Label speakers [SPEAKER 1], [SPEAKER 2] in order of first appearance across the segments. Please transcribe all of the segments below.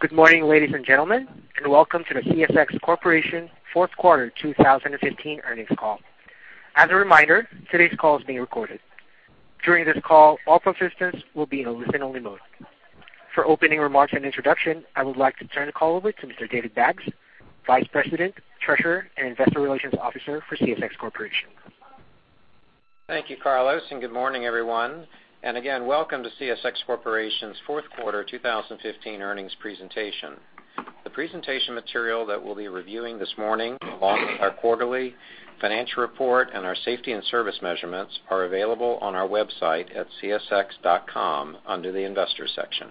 [SPEAKER 1] Good morning, ladies and gentlemen, and welcome to the CSX Corporation fourth quarter 2015 earnings call. As a reminder, today's call is being recorded. During this call, all participants will be in a listen-only mode. For opening remarks and introduction, I would like to turn the call over to Mr. David Baggs, Vice President, Treasurer, and Investor Relations Officer for CSX Corporation.
[SPEAKER 2] Thank you, Carlos, and good morning, everyone. And again, welcome to CSX Corporation's fourth quarter 2015 earnings presentation. The presentation material that we'll be reviewing this morning, along with our quarterly financial report and our safety and service measurements, are available on our website at csx.com under the Investors section.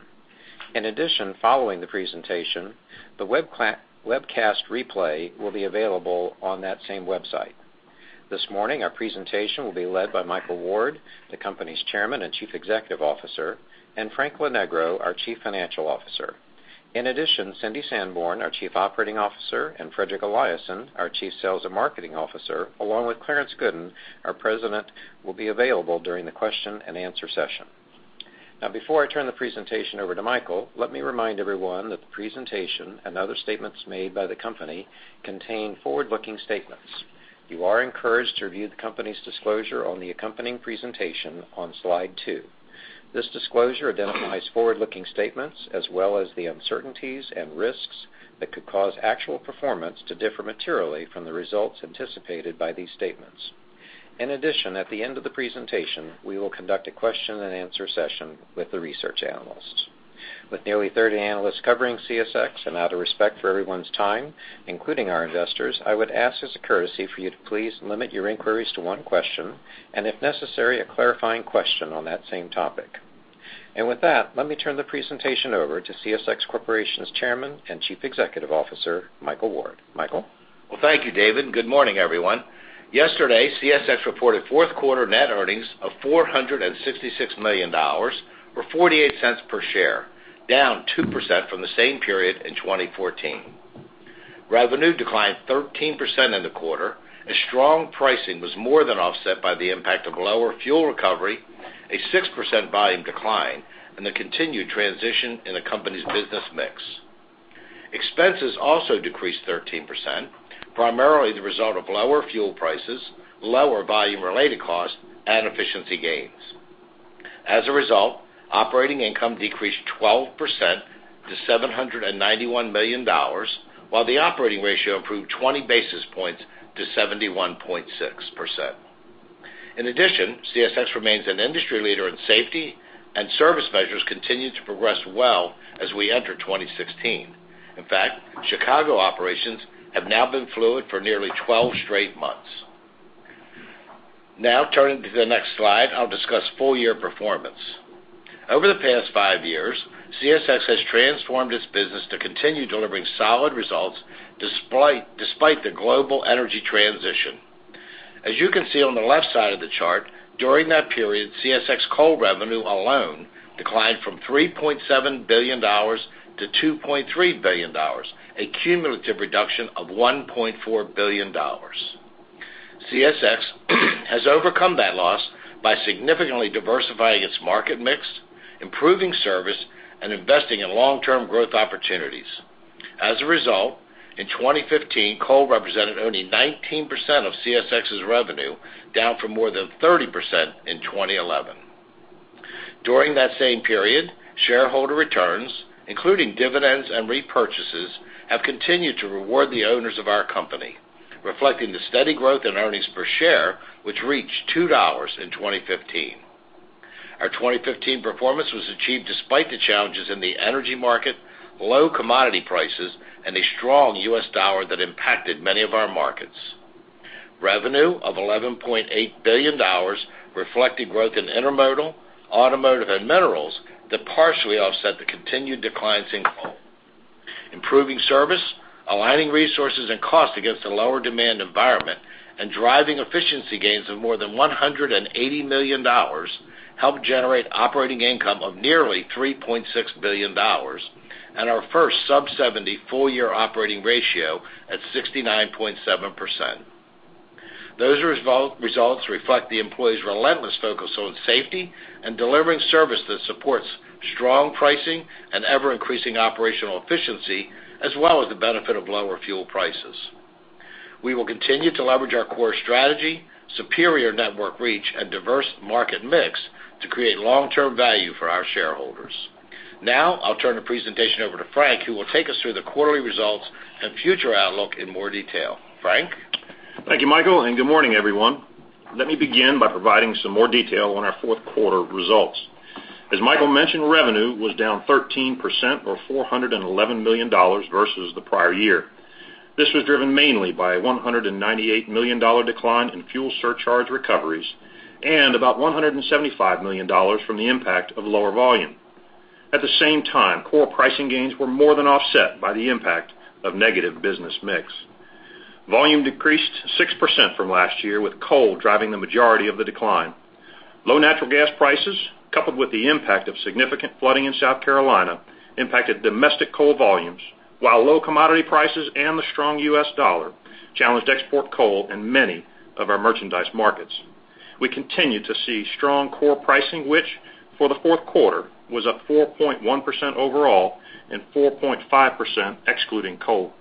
[SPEAKER 2] In addition, following the presentation, the webcast replay will be available on that same website. This morning, our presentation will be led by Michael Ward, the company's Chairman and Chief Executive Officer, and Frank Lonegro, our Chief Financial Officer. In addition, Cindy Sanborn, our Chief Operating Officer, and Fredrik Eliasson, our Chief Sales and Marketing Officer, along with Clarence Gooden, our President, will be available during the question-and-answer session. Now, before I turn the presentation over to Michael, let me remind everyone that the presentation and other statements made by the company contain forward-looking statements. You are encouraged to review the company's disclosure on the accompanying presentation on slide 2. This disclosure identifies forward-looking statements as well as the uncertainties and risks that could cause actual performance to differ materially from the results anticipated by these statements. In addition, at the end of the presentation, we will conduct a question-and-answer session with the research analysts. With nearly 30 analysts covering CSX, and out of respect for everyone's time, including our investors, I would ask as a courtesy for you to please limit your inquiries to one question and, if necessary, a clarifying question on that same topic. With that, let me turn the presentation over to CSX Corporation's Chairman and Chief Executive Officer, Michael Ward. Michael?
[SPEAKER 3] Well, thank you, David. Good morning, everyone. Yesterday, CSX reported fourth quarter net earnings of $466 million or $0.48 per share, down 2% from the same period in 2014. Revenue declined 13% in the quarter, as strong pricing was more than offset by the impact of lower fuel recovery, a 6% volume decline, and the continued transition in the company's business mix. Expenses also decreased 13%, primarily the result of lower fuel prices, lower volume-related costs, and efficiency gains. As a result, operating income decreased 12% to $791 million, while the operating ratio improved 20 basis points to 71.6%. In addition, CSX remains an industry leader in safety, and service measures continue to progress well as we enter 2016. In fact, Chicago operations have now been fluid for nearly 12 straight months. Now, turning to the next slide, I'll discuss full-year performance. Over the past five years, CSX has transformed its business to continue delivering solid results despite the global energy transition. As you can see on the left side of the chart, during that period, CSX coal revenue alone declined from $3.7 billion to $2.3 billion, a cumulative reduction of $1.4 billion. CSX has overcome that loss by significantly diversifying its market mix, improving service, and investing in long-term growth opportunities. As a result, in 2015, coal represented only 19% of CSX's revenue, down from more than 30% in 2011. During that same period, shareholder returns, including dividends and repurchases, have continued to reward the owners of our company, reflecting the steady growth in earnings per share, which reached $2 in 2015. Our 2015 performance was achieved despite the challenges in the energy market, low commodity prices, and a strong U.S. dollar that impacted many of our markets. Revenue of $11.8 billion reflected growth in intermodal, automotive, and minerals that partially offset the continued declines in coal. Improving service, aligning resources and costs against a lower-demand environment, and driving efficiency gains of more than $180 million helped generate operating income of nearly $3.6 billion and our first sub-70 full-year operating ratio at 69.7%. Those results reflect the employees' relentless focus on safety and delivering service that supports strong pricing and ever-increasing operational efficiency, as well as the benefit of lower fuel prices. We will continue to leverage our core strategy, superior network reach, and diverse market mix to create long-term value for our shareholders. Now, I'll turn the presentation over to Frank, who will take us through the quarterly results and future outlook in more detail. Frank?
[SPEAKER 4] Thank you, Michael, and good morning, everyone. Let me begin by providing some more detail on our fourth quarter results. As Michael mentioned, revenue was down 13% or $411 million versus the prior year. This was driven mainly by a $198 million decline in fuel surcharge recoveries and about $175 million from the impact of lower volume. At the same time, core pricing gains were more than offset by the impact of negative business mix. Volume decreased 6% from last year, with coal driving the majority of the decline. Low natural gas prices, coupled with the impact of significant flooding in South Carolina, impacted domestic coal volumes, while low commodity prices and the strong US dollar challenged export coal in many of our merchandise markets. We continue to see strong core pricing, which, for the fourth quarter, was up 4.1% overall and 4.5% excluding coal.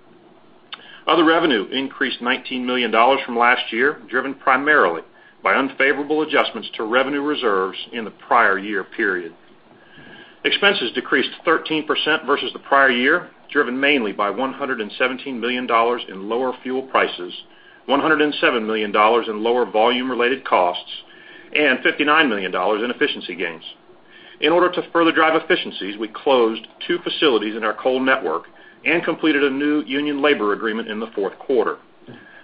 [SPEAKER 4] Other revenue increased $19 million from last year, driven primarily by unfavorable adjustments to revenue reserves in the prior year period. Expenses decreased 13% versus the prior year, driven mainly by $117 million in lower fuel prices, $107 million in lower volume-related costs, and $59 million in efficiency gains. In order to further drive efficiencies, we closed two facilities in our coal network and completed a new union labor agreement in the fourth quarter.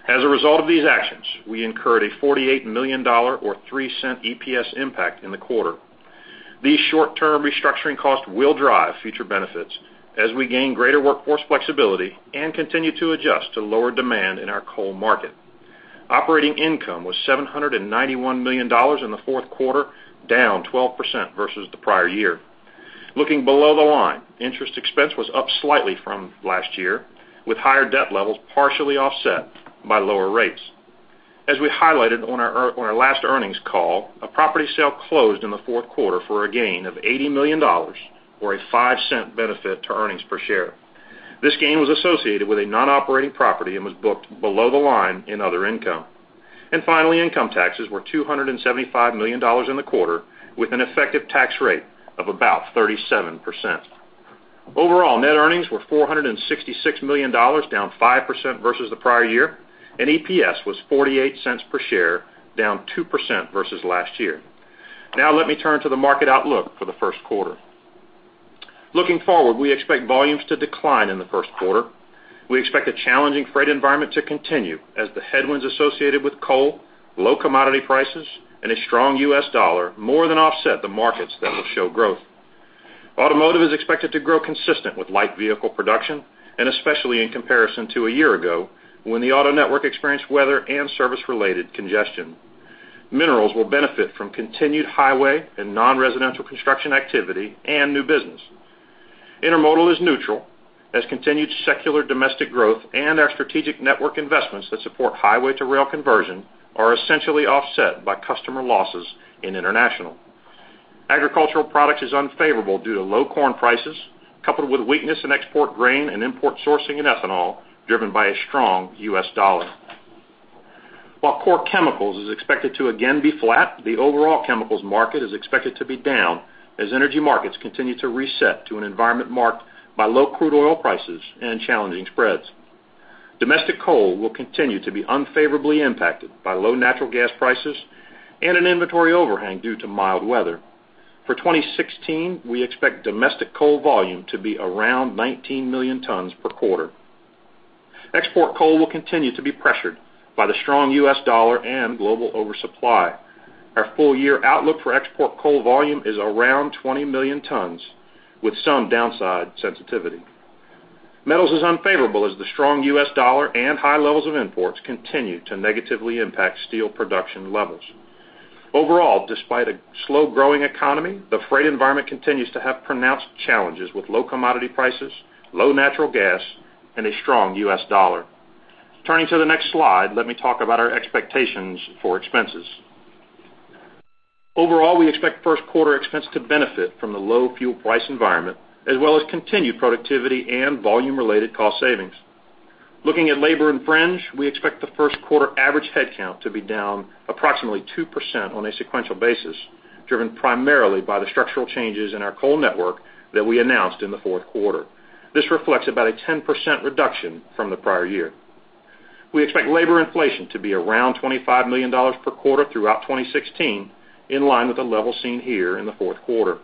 [SPEAKER 4] As a result of these actions, we incurred a $48 million or $0.03 EPS impact in the quarter. These short-term restructuring costs will drive future benefits as we gain greater workforce flexibility and continue to adjust to lower demand in our coal market. Operating income was $791 million in the fourth quarter, down 12% versus the prior year. Looking below the line, interest expense was up slightly from last year, with higher debt levels partially offset by lower rates. As we highlighted on our last earnings call, a property sale closed in the fourth quarter for a gain of $80 million or a $0.05 benefit to earnings per share. This gain was associated with a non-operating property and was booked below the line in other income. Finally, income taxes were $275 million in the quarter, with an effective tax rate of about 37%. Overall, net earnings were $466 million, down 5% versus the prior year, and EPS was $0.48 per share, down 2% versus last year. Now, let me turn to the market outlook for the first quarter. Looking forward, we expect volumes to decline in the first quarter. We expect a challenging freight environment to continue as the headwinds associated with coal, low commodity prices, and a strong U.S. dollar more than offset the markets that will show growth. Automotive is expected to grow consistent with light vehicle production, and especially in comparison to a year ago when the auto network experienced weather and service-related congestion. Minerals will benefit from continued highway and non-residential construction activity and new business. Intermodal is neutral as continued secular domestic growth and our strategic network investments that support highway-to-rail conversion are essentially offset by customer losses in international. Agricultural products is unfavorable due to low corn prices, coupled with weakness in export grain and import sourcing in ethanol, driven by a strong U.S. dollar. While core chemicals is expected to again be flat, the overall chemicals market is expected to be down as energy markets continue to reset to an environment marked by low crude oil prices and challenging spreads. Domestic coal will continue to be unfavorably impacted by low natural gas prices and an inventory overhang due to mild weather. For 2016, we expect domestic coal volume to be around 19 million tons per quarter. Export coal will continue to be pressured by the strong US dollar and global oversupply. Our full-year outlook for export coal volume is around 20 million tons, with some downside sensitivity. Metals is unfavorable as the strong US dollar and high levels of imports continue to negatively impact steel production levels. Overall, despite a slow-growing economy, the freight environment continues to have pronounced challenges with low commodity prices, low natural gas, and a strong U.S. dollar. Turning to the next slide, let me talk about our expectations for expenses. Overall, we expect first-quarter expense to benefit from the low fuel price environment, as well as continued productivity and volume-related cost savings. Looking at labor and fringe, we expect the first quarter average headcount to be down approximately 2% on a sequential basis, driven primarily by the structural changes in our coal network that we announced in the fourth quarter. This reflects about a 10% reduction from the prior year. We expect labor inflation to be around $25 million per quarter throughout 2016, in line with the level seen here in the fourth quarter.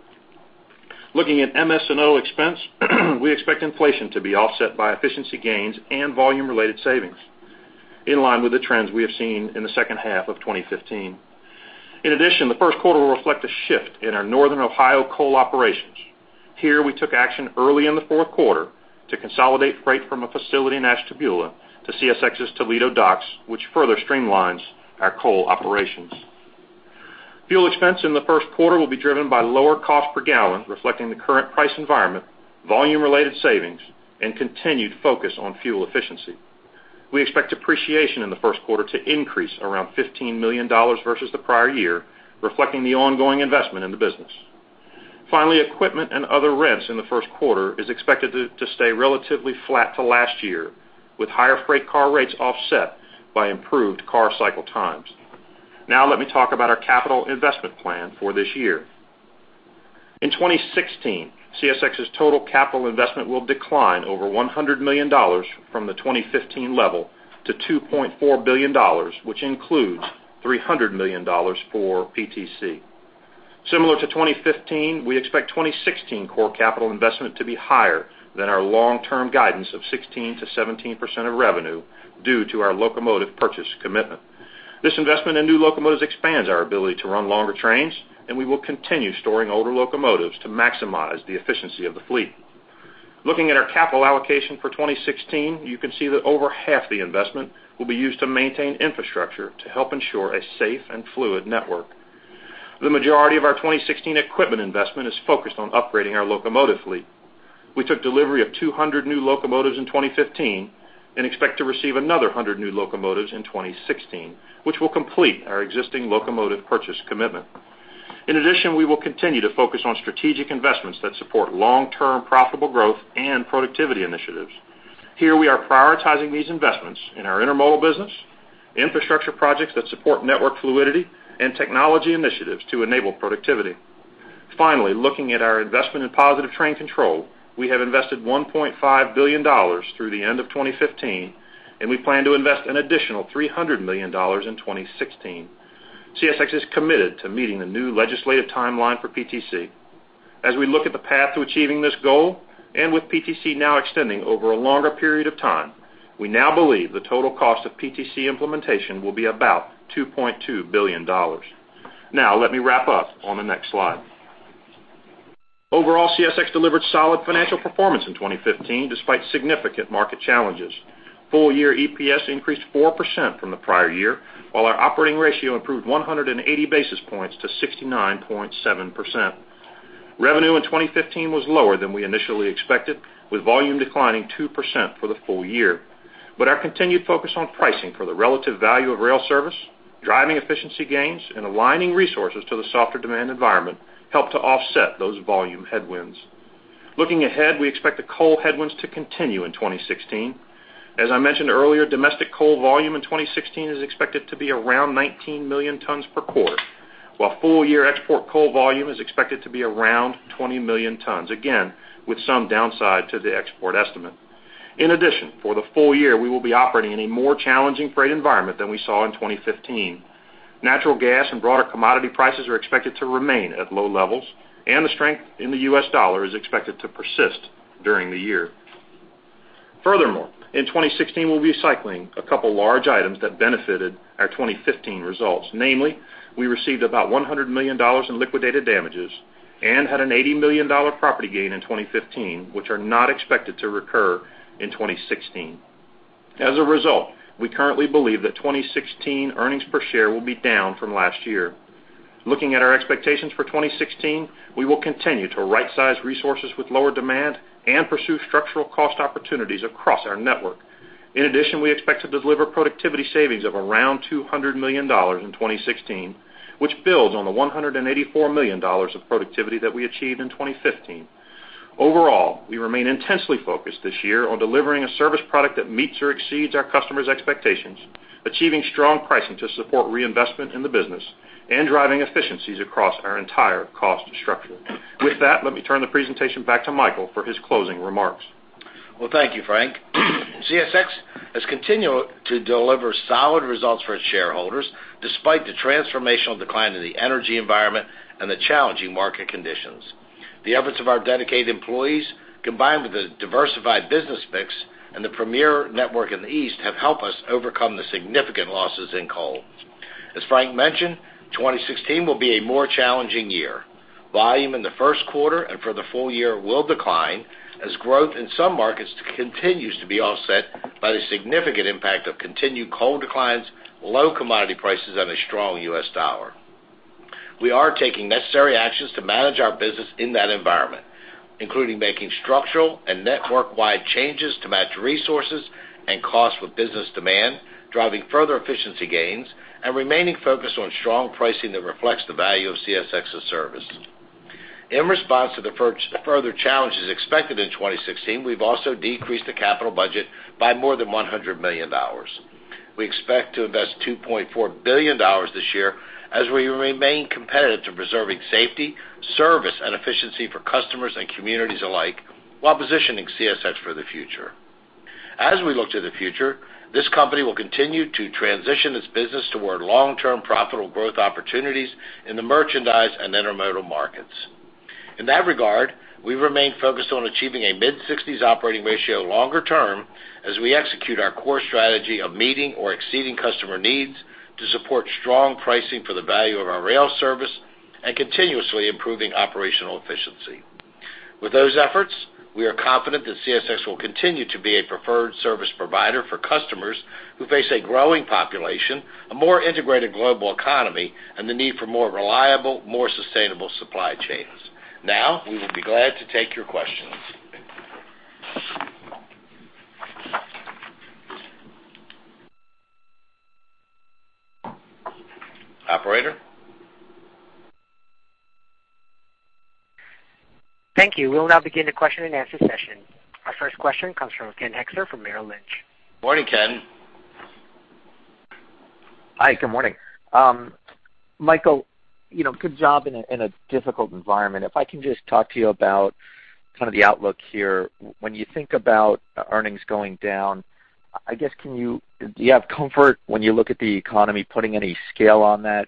[SPEAKER 4] Looking at MS&O expense, we expect inflation to be offset by efficiency gains and volume-related savings, in line with the trends we have seen in the second half of 2015. In addition, the first quarter will reflect a shift in our northern Ohio coal operations. Here, we took action early in the fourth quarter to consolidate freight from a facility in Ashtabula to CSX's Toledo docks, which further streamlines our coal operations. Fuel expense in the first quarter will be driven by lower cost per gallon, reflecting the current price environment, volume-related savings, and continued focus on fuel efficiency. We expect depreciation in the first quarter to increase around $15 million versus the prior year, reflecting the ongoing investment in the business. Finally, equipment and other rents in the first quarter is expected to stay relatively flat to last year, with higher freight car rates offset by improved car cycle times. Now, let me talk about our capital investment plan for this year. In 2016, CSX's total capital investment will decline over $100 million from the 2015 level to $2.4 billion, which includes $300 million for PTC. Similar to 2015, we expect 2016 core capital investment to be higher than our long-term guidance of 16%-17% of revenue due to our locomotive purchase commitment. This investment in new locomotives expands our ability to run longer trains, and we will continue storing older locomotives to maximize the efficiency of the fleet. Looking at our capital allocation for 2016, you can see that over half the investment will be used to maintain infrastructure to help ensure a safe and fluid network. The majority of our 2016 equipment investment is focused on upgrading our locomotive fleet. We took delivery of 200 new locomotives in 2015 and expect to receive another 100 new locomotives in 2016, which will complete our existing locomotive purchase commitment. In addition, we will continue to focus on strategic investments that support long-term profitable growth and productivity initiatives. Here, we are prioritizing these investments in our intermodal business, infrastructure projects that support network fluidity, and technology initiatives to enable productivity. Finally, looking at our investment in Positive Train Control, we have invested $1.5 billion through the end of 2015, and we plan to invest an additional $300 million in 2016. CSX is committed to meeting the new legislative timeline for PTC. As we look at the path to achieving this goal and with PTC now extending over a longer period of time, we now believe the total cost of PTC implementation will be about $2.2 billion. Now, let me wrap up on the next slide. Overall, CSX delivered solid financial performance in 2015 despite significant market challenges. Full-year EPS increased 4% from the prior year, while our operating ratio improved 180 basis points to 69.7%. Revenue in 2015 was lower than we initially expected, with volume declining 2% for the full year. Our continued focus on pricing for the relative value of rail service, driving efficiency gains, and aligning resources to the softer demand environment helped to offset those volume headwinds. Looking ahead, we expect the coal headwinds to continue in 2016. As I mentioned earlier, domestic coal volume in 2016 is expected to be around 19 million tons per quarter, while full-year export coal volume is expected to be around 20 million tons, again with some downside to the export estimate. In addition, for the full year, we will be operating in a more challenging freight environment than we saw in 2015. Natural gas and broader commodity prices are expected to remain at low levels, and the strength in the U.S. dollar is expected to persist during the year. Furthermore, in 2016, we'll be recycling a couple of large items that benefited our 2015 results. Namely, we received about $100 million in liquidated damages and had an $80 million property gain in 2015, which are not expected to recur in 2016. As a result, we currently believe that 2016 earnings per share will be down from last year. Looking at our expectations for 2016, we will continue to right-size resources with lower demand and pursue structural cost opportunities across our network. In addition, we expect to deliver productivity savings of around $200 million in 2016, which builds on the $184 million of productivity that we achieved in 2015. Overall, we remain intensely focused this year on delivering a service product that meets or exceeds our customers' expectations, achieving strong pricing to support reinvestment in the business, and driving efficiencies across our entire cost structure. With that, let me turn the presentation back to Michael for his closing remarks.
[SPEAKER 3] Well, thank you, Frank. CSX has continued to deliver solid results for its shareholders despite the transformational decline in the energy environment and the challenging market conditions. The efforts of our dedicated employees, combined with a diversified business mix and the premier network in the east, have helped us overcome the significant losses in coal. As Frank mentioned, 2016 will be a more challenging year. Volume in the first quarter and for the full year will decline as growth in some markets continues to be offset by the significant impact of continued coal declines, low commodity prices, and a strong U.S. dollar. We are taking necessary actions to manage our business in that environment, including making structural and network-wide changes to match resources and costs with business demand, driving further efficiency gains, and remaining focused on strong pricing that reflects the value of CSX's service. In response to the further challenges expected in 2016, we've also decreased the capital budget by more than $100 million. We expect to invest $2.4 billion this year as we remain competitive to preserving safety, service, and efficiency for customers and communities alike while positioning CSX for the future. As we look to the future, this company will continue to transition its business toward long-term profitable growth opportunities in the merchandise and intermodal markets. In that regard, we remain focused on achieving a mid-60s operating ratio longer term as we execute our core strategy of meeting or exceeding customer needs to support strong pricing for the value of our rail service and continuously improving operational efficiency. With those efforts, we are confident that CSX will continue to be a preferred service provider for customers who face a growing population, a more integrated global economy, and the need for more reliable, more sustainable supply chains. Now, we will be glad to take your questions. Operator?
[SPEAKER 1] Thank you. We'll now begin the question-and-answer session. Our first question comes from Ken Hoexter from Merrill Lynch.
[SPEAKER 3] Morning, Ken.
[SPEAKER 5] Hi. Good morning. Michael, good job in a difficult environment. If I can just talk to you about kind of the outlook here. When you think about earnings going down, I guess, do you have comfort when you look at the economy putting any scale on that?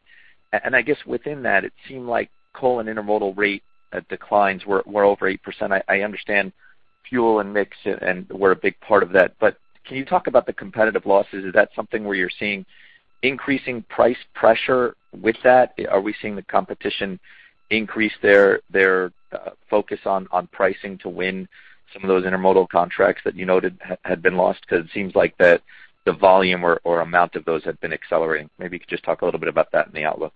[SPEAKER 5] And I guess within that, it seemed like coal and intermodal rate declines were over 8%. I understand fuel and mix were a big part of that. But can you talk about the competitive losses? Is that something where you're seeing increasing price pressure with that? Are we seeing the competition increase their focus on pricing to win some of those intermodal contracts that you noted had been lost? Because it seems like the volume or amount of those had been accelerating. Maybe you could just talk a little bit about that in the outlook.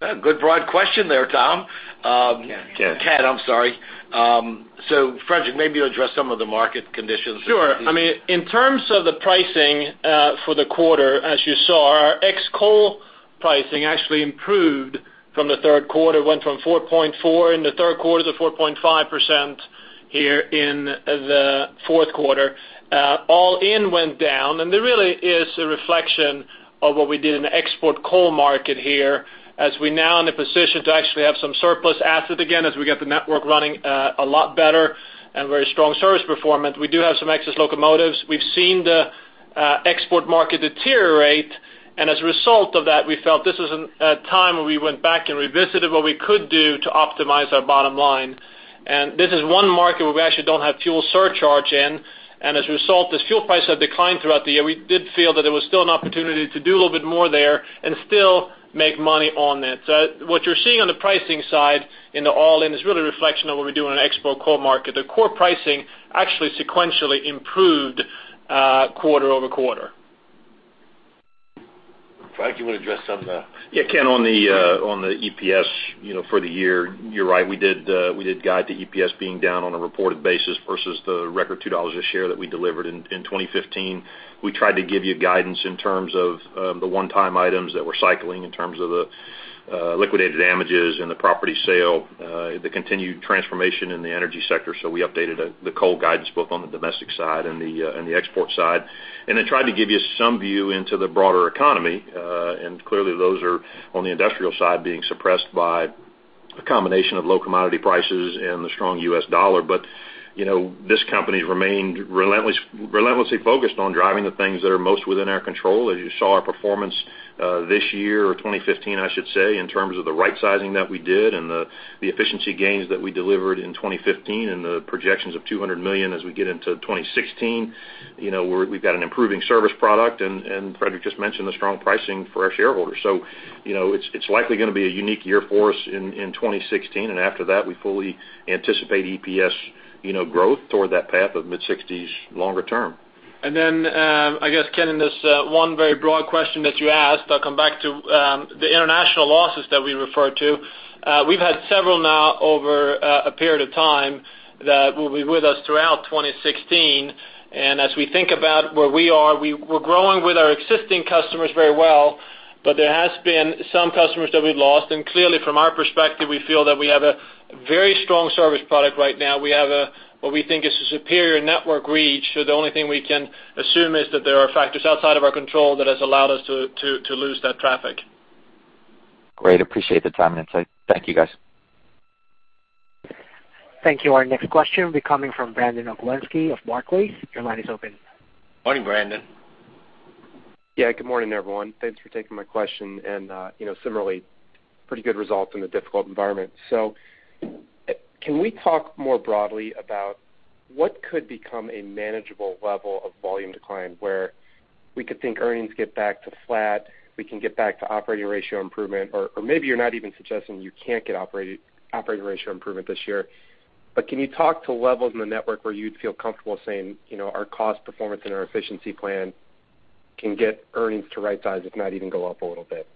[SPEAKER 3] Good broad question there, Tom.
[SPEAKER 5] Ken.
[SPEAKER 3] Ken, I'm sorry. So Frederick, maybe you'll address some of the market conditions that you see.
[SPEAKER 6] Sure. I mean, in terms of the pricing for the quarter, as you saw, our ex-coal pricing actually improved from the third quarter. It went from 4.4% in the third quarter to 4.5% here in the fourth quarter. All-in went down. And there really is a reflection of what we did in the export coal market here as we're now in a position to actually have some surplus asset again as we get the network running a lot better and very strong service performance. We do have some excess locomotives. We've seen the export market deteriorate. And as a result of that, we felt this is a time where we went back and revisited what we could do to optimize our bottom line. And this is one market where we actually don't have fuel surcharge in. As a result, as fuel prices have declined throughout the year, we did feel that there was still an opportunity to do a little bit more there and still make money on it. So what you're seeing on the pricing side in the all-in is really a reflection of what we do in an export coal market. The core pricing actually sequentially improved quarter over quarter.
[SPEAKER 3] Frank, you want to address some of the?
[SPEAKER 4] Yeah, Ken, on the EPS for the year, you're right. We did guide the EPS being down on a reported basis versus the record $2 a share that we delivered in 2015. We tried to give you guidance in terms of the one-time items that we're cycling in terms of the liquidated damages and the property sale, the continued transformation in the energy sector. So we updated the coal guidance both on the domestic side and the export side. And then tried to give you some view into the broader economy. And clearly, those are on the industrial side being suppressed by a combination of low commodity prices and the strong U.S. dollar. But this company remained relentlessly focused on driving the things that are most within our control. As you saw our performance this year or 2015, I should say, in terms of the right-sizing that we did and the efficiency gains that we delivered in 2015 and the projections of $200 million as we get into 2016, we've got an improving service product. And Frederick just mentioned the strong pricing for our shareholders. So it's likely going to be a unique year for us in 2016. And after that, we fully anticipate EPS growth toward that path of mid-60s longer term.
[SPEAKER 6] Then I guess, Ken, in this one very broad question that you asked, I'll come back to the international losses that we referred to. We've had several now over a period of time that will be with us throughout 2016. As we think about where we are, we're growing with our existing customers very well. But there has been some customers that we've lost. And clearly, from our perspective, we feel that we have a very strong service product right now. We have what we think is a superior network reach. So the only thing we can assume is that there are factors outside of our control that has allowed us to lose that traffic.
[SPEAKER 7] Great. Appreciate the time, [Michael]. Thank you, guys.
[SPEAKER 1] Thank you. Our next question will be coming from Brandon Oglenski of Barclays. Your line is open.
[SPEAKER 3] Morning, Brandon.
[SPEAKER 5] Yeah. Good morning, everyone. Thanks for taking my question. And similarly, pretty good results in a difficult environment. So can we talk more broadly about what could become a manageable level of volume decline where we could think earnings get back to flat, we can get back to operating ratio improvement? Or maybe you're not even suggesting you can't get operating ratio improvement this year? But can you talk to levels in the network where you'd feel comfortable saying our cost performance and our efficiency plan can get earnings to right size if not even go up a little bit?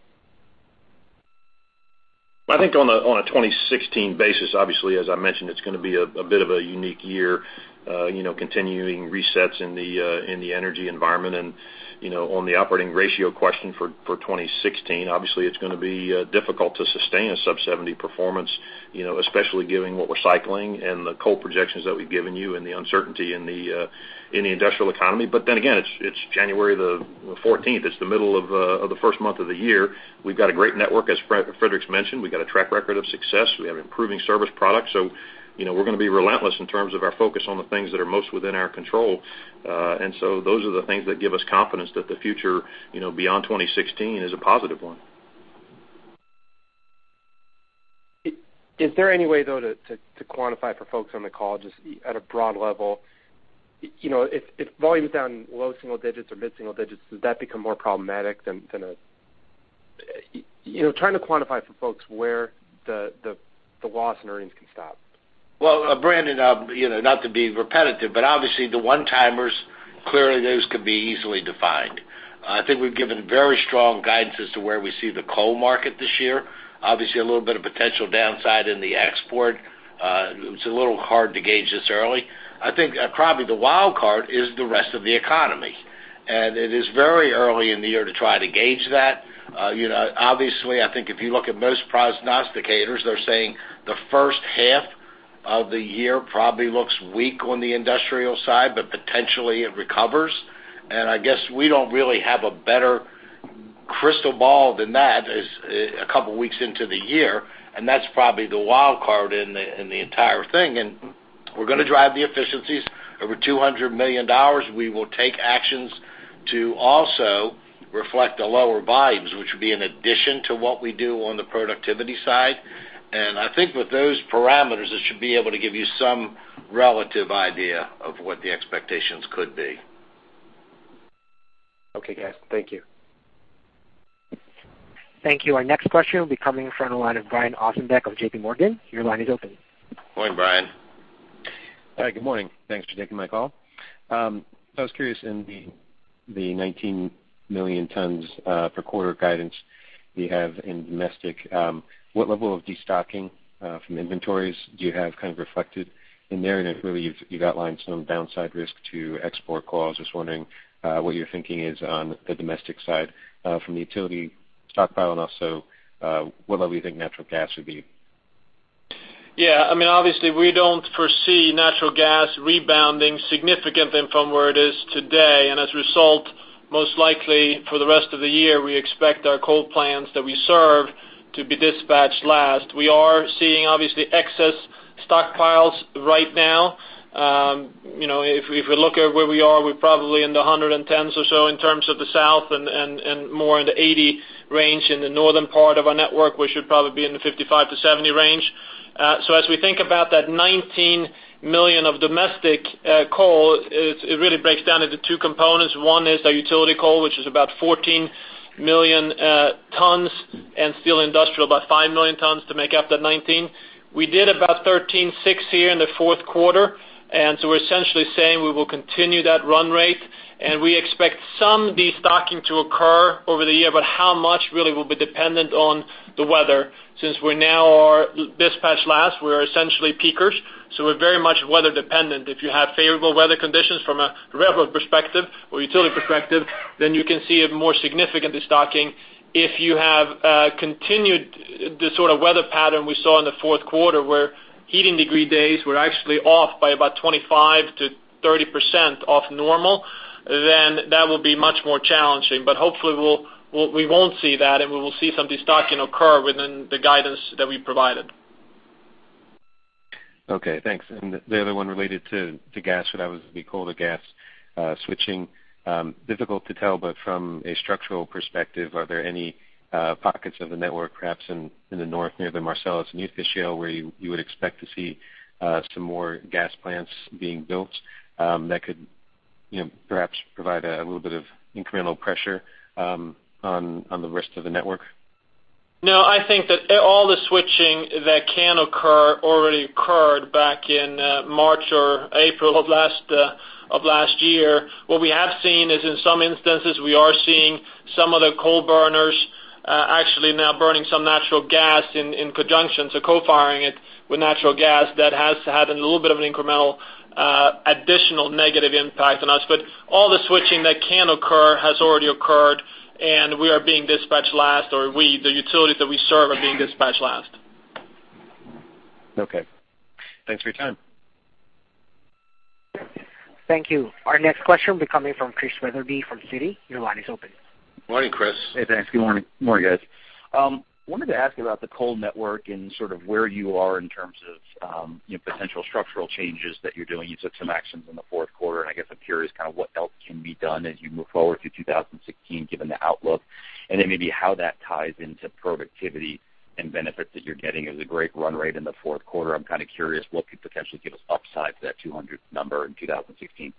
[SPEAKER 4] Well, I think on a 2016 basis, obviously, as I mentioned, it's going to be a bit of a unique year, continuing resets in the energy environment. And on the operating ratio question for 2016, obviously, it's going to be difficult to sustain a sub-70 performance, especially given what we're cycling and the coal projections that we've given you and the uncertainty in the industrial economy. But then again, it's January the 14th. It's the middle of the first month of the year. We've got a great network, as Frederick's mentioned. We've got a track record of success. We have improving service products. So we're going to be relentless in terms of our focus on the things that are most within our control. And so those are the things that give us confidence that the future beyond 2016 is a positive one.
[SPEAKER 5] Is there any way, though, to quantify for folks on the call just at a broad level? If volume's down low single digits or mid-single digits, does that become more problematic than trying to quantify for folks where the loss in earnings can stop?
[SPEAKER 3] Well, Brandon, not to be repetitive, but obviously, the one-timers, clearly, those could be easily defined. I think we've given very strong guidance as to where we see the coal market this year. Obviously, a little bit of potential downside in the export. It's a little hard to gauge this early. I think probably the wild card is the rest of the economy. It is very early in the year to try to gauge that. Obviously, I think if you look at most prognosticators, they're saying the first half of the year probably looks weak on the industrial side, but potentially, it recovers. I guess we don't really have a better crystal ball than that a couple of weeks into the year. That's probably the wild card in the entire thing. We're going to drive the efficiencies. Over $200 million, we will take actions to also reflect the lower volumes, which would be in addition to what we do on the productivity side. I think with those parameters, it should be able to give you some relative idea of what the expectations could be.
[SPEAKER 8] Okay, guys. Thank you.
[SPEAKER 1] Thank you. Our next question will be coming from the line of Brian Ossenbeck of J.P. Morgan. Your line is open.
[SPEAKER 3] Morning, Brian.
[SPEAKER 5] Hi. Good morning. Thanks for taking my call. I was curious, in the 19 million tons per quarter guidance we have in domestic, what level of destocking from inventories do you have kind of reflected in there? And I feel you've outlined some downside risk to export coal. I was just wondering what your thinking is on the domestic side from the utility stockpile and also what level you think natural gas would be?
[SPEAKER 6] Yeah. I mean, obviously, we don't foresee natural gas rebounding significantly from where it is today. And as a result, most likely for the rest of the year, we expect our coal plants that we serve to be dispatched last. We are seeing, obviously, excess stockpiles right now. If we look at where we are, we're probably in the 110s or so in terms of the south and more in the 80 range in the northern part of our network. We should probably be in the 55-70 range. So as we think about that 19 million of domestic coal, it really breaks down into two components. One is our utility coal, which is about 14 million tons, and steel industrial, about 5 million tons, to make up that 19. We did about 13.6 here in the fourth quarter. So we're essentially saying we will continue that run rate. We expect some destocking to occur over the year. But how much really will be dependent on the weather? Since we now are dispatched last, we are essentially peakers. We're very much weather-dependent. If you have favorable weather conditions from a railroad perspective or utility perspective, then you can see a more significant destocking. If you have continued the sort of weather pattern we saw in the fourth quarter where heating degree days were actually off by about 25%-30% off normal, then that will be much more challenging. Hopefully, we won't see that. We will see some destocking occur within the guidance that we provided.
[SPEAKER 5] Okay. Thanks. And the other one related to gas, what I would call the gas switching, difficult to tell. But from a structural perspective, are there any pockets of the network, perhaps in the north near the Marcellus and Utica Shale where you would expect to see some more gas plants being built that could perhaps provide a little bit of incremental pressure on the rest of the network?
[SPEAKER 6] No. I think that all the switching that can occur already occurred back in March or April of last year. What we have seen is in some instances, we are seeing some of the coal burners actually now burning some natural gas in conjunction, so co-firing it with natural gas that has had a little bit of an incremental additional negative impact on us. But all the switching that can occur has already occurred. And we are being dispatched last, or the utilities that we serve are being dispatched last.
[SPEAKER 5] Okay. Thanks for your time.
[SPEAKER 1] Thank you. Our next question will be coming from Chris Wetherbee from Citi. Your line is open.
[SPEAKER 3] Morning, Chris.
[SPEAKER 5] Hey, thanks. Good morning. Good morning, guys. I wanted to ask about the coal network and sort of where you are in terms of potential structural changes that you're doing. You took some actions in the fourth quarter. I guess I'm curious kind of what else can be done as you move forward through 2016 given the outlook, and then maybe how that ties into productivity and benefits that you're getting. It was a great run rate in the fourth quarter. I'm kind of curious what could potentially give us upside to that 200 number in 2016.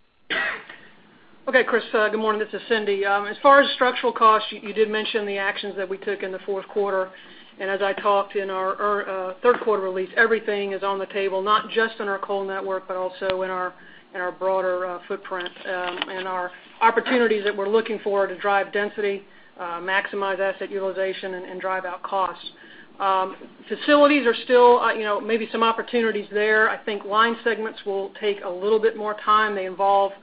[SPEAKER 9] Okay, Chris. Good morning. This is Cindy. As far as structural costs, you did mention the actions that we took in the fourth quarter. And as I talked in our third-quarter release, everything is on the table, not just in our coal network but also in our broader footprint and our opportunities that we're looking for to drive density, maximize asset utilization, and drive out costs. Facilities are still maybe some opportunities there. I think line segments will take a little bit more time. They involve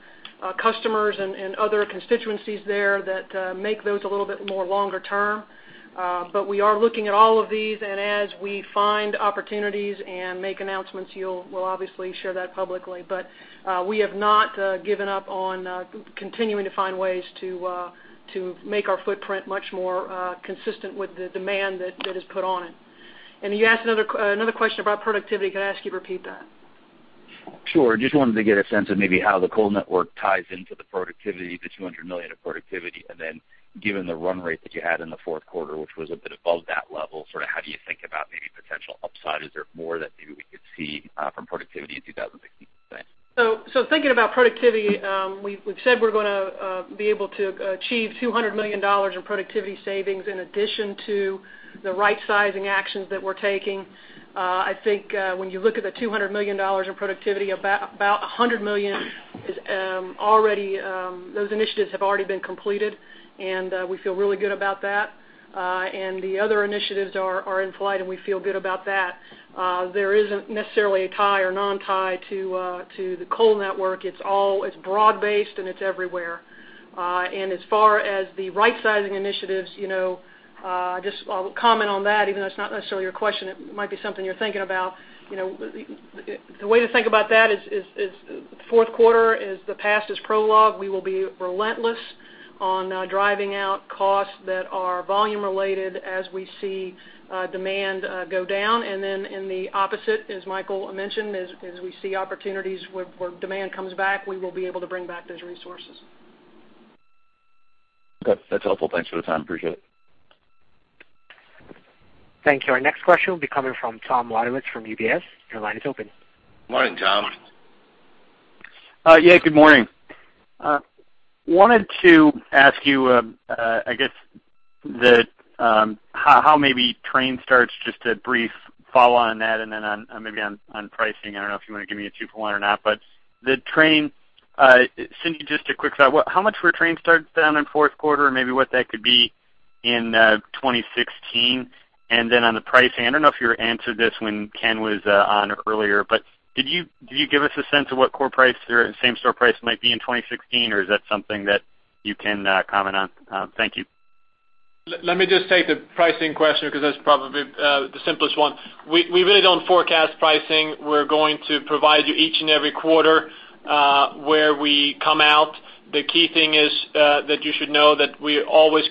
[SPEAKER 9] customers and other constituencies there that make those a little bit more longer term. But we are looking at all of these. And as we find opportunities and make announcements, we'll obviously share that publicly. But we have not given up on continuing to find ways to make our footprint much more consistent with the demand that is put on it. You asked another question about productivity. Could I ask you to repeat that?
[SPEAKER 10] Sure. Just wanted to get a sense of maybe how the coal network ties into the productivity, the $200 million of productivity. And then given the run rate that you had in the fourth quarter, which was a bit above that level, sort of how do you think about maybe potential upside? Is there more that maybe we could see from productivity in 2016?
[SPEAKER 9] So thinking about productivity, we've said we're going to be able to achieve $200 million in productivity savings in addition to the right-sizing actions that we're taking. I think when you look at the $200 million in productivity, about $100 million is already those initiatives have already been completed. And we feel really good about that. And the other initiatives are in flight. And we feel good about that. There isn't necessarily a tie or non-tie to the coal network. It's broad-based. And it's everywhere. And as far as the right-sizing initiatives, I'll comment on that. Even though it's not necessarily your question, it might be something you're thinking about. The way to think about that is the fourth quarter is the past is prologue. We will be relentless on driving out costs that are volume-related as we see demand go down. And then in the opposite, as Michael mentioned, as we see opportunities where demand comes back, we will be able to bring back those resources.
[SPEAKER 5] Okay. That's helpful. Thanks for the time. Appreciate it.
[SPEAKER 1] Thank you. Our next question will be coming from Thomas Wadewitz from UBS. Your line is open.
[SPEAKER 3] Morning, Tom.
[SPEAKER 5] Yeah. Good morning. Wanted to ask you, I guess, how maybe train starts? Just a brief follow-on on that and then maybe on pricing. I don't know if you want to give me a two-for-one or not. But Cindy, just a quick thought. How much for a train start down in fourth quarter and maybe what that could be in 2016? And then on the pricing, I don't know if you answered this when Ken was on earlier. But did you give us a sense of what core price or same-store price might be in 2016? Or is that something that you can comment on? Thank you.
[SPEAKER 6] Let me just take the pricing question because that's probably the simplest one. We really don't forecast pricing. We're going to provide you each and every quarter where we come out. The key thing is that you should know that we're always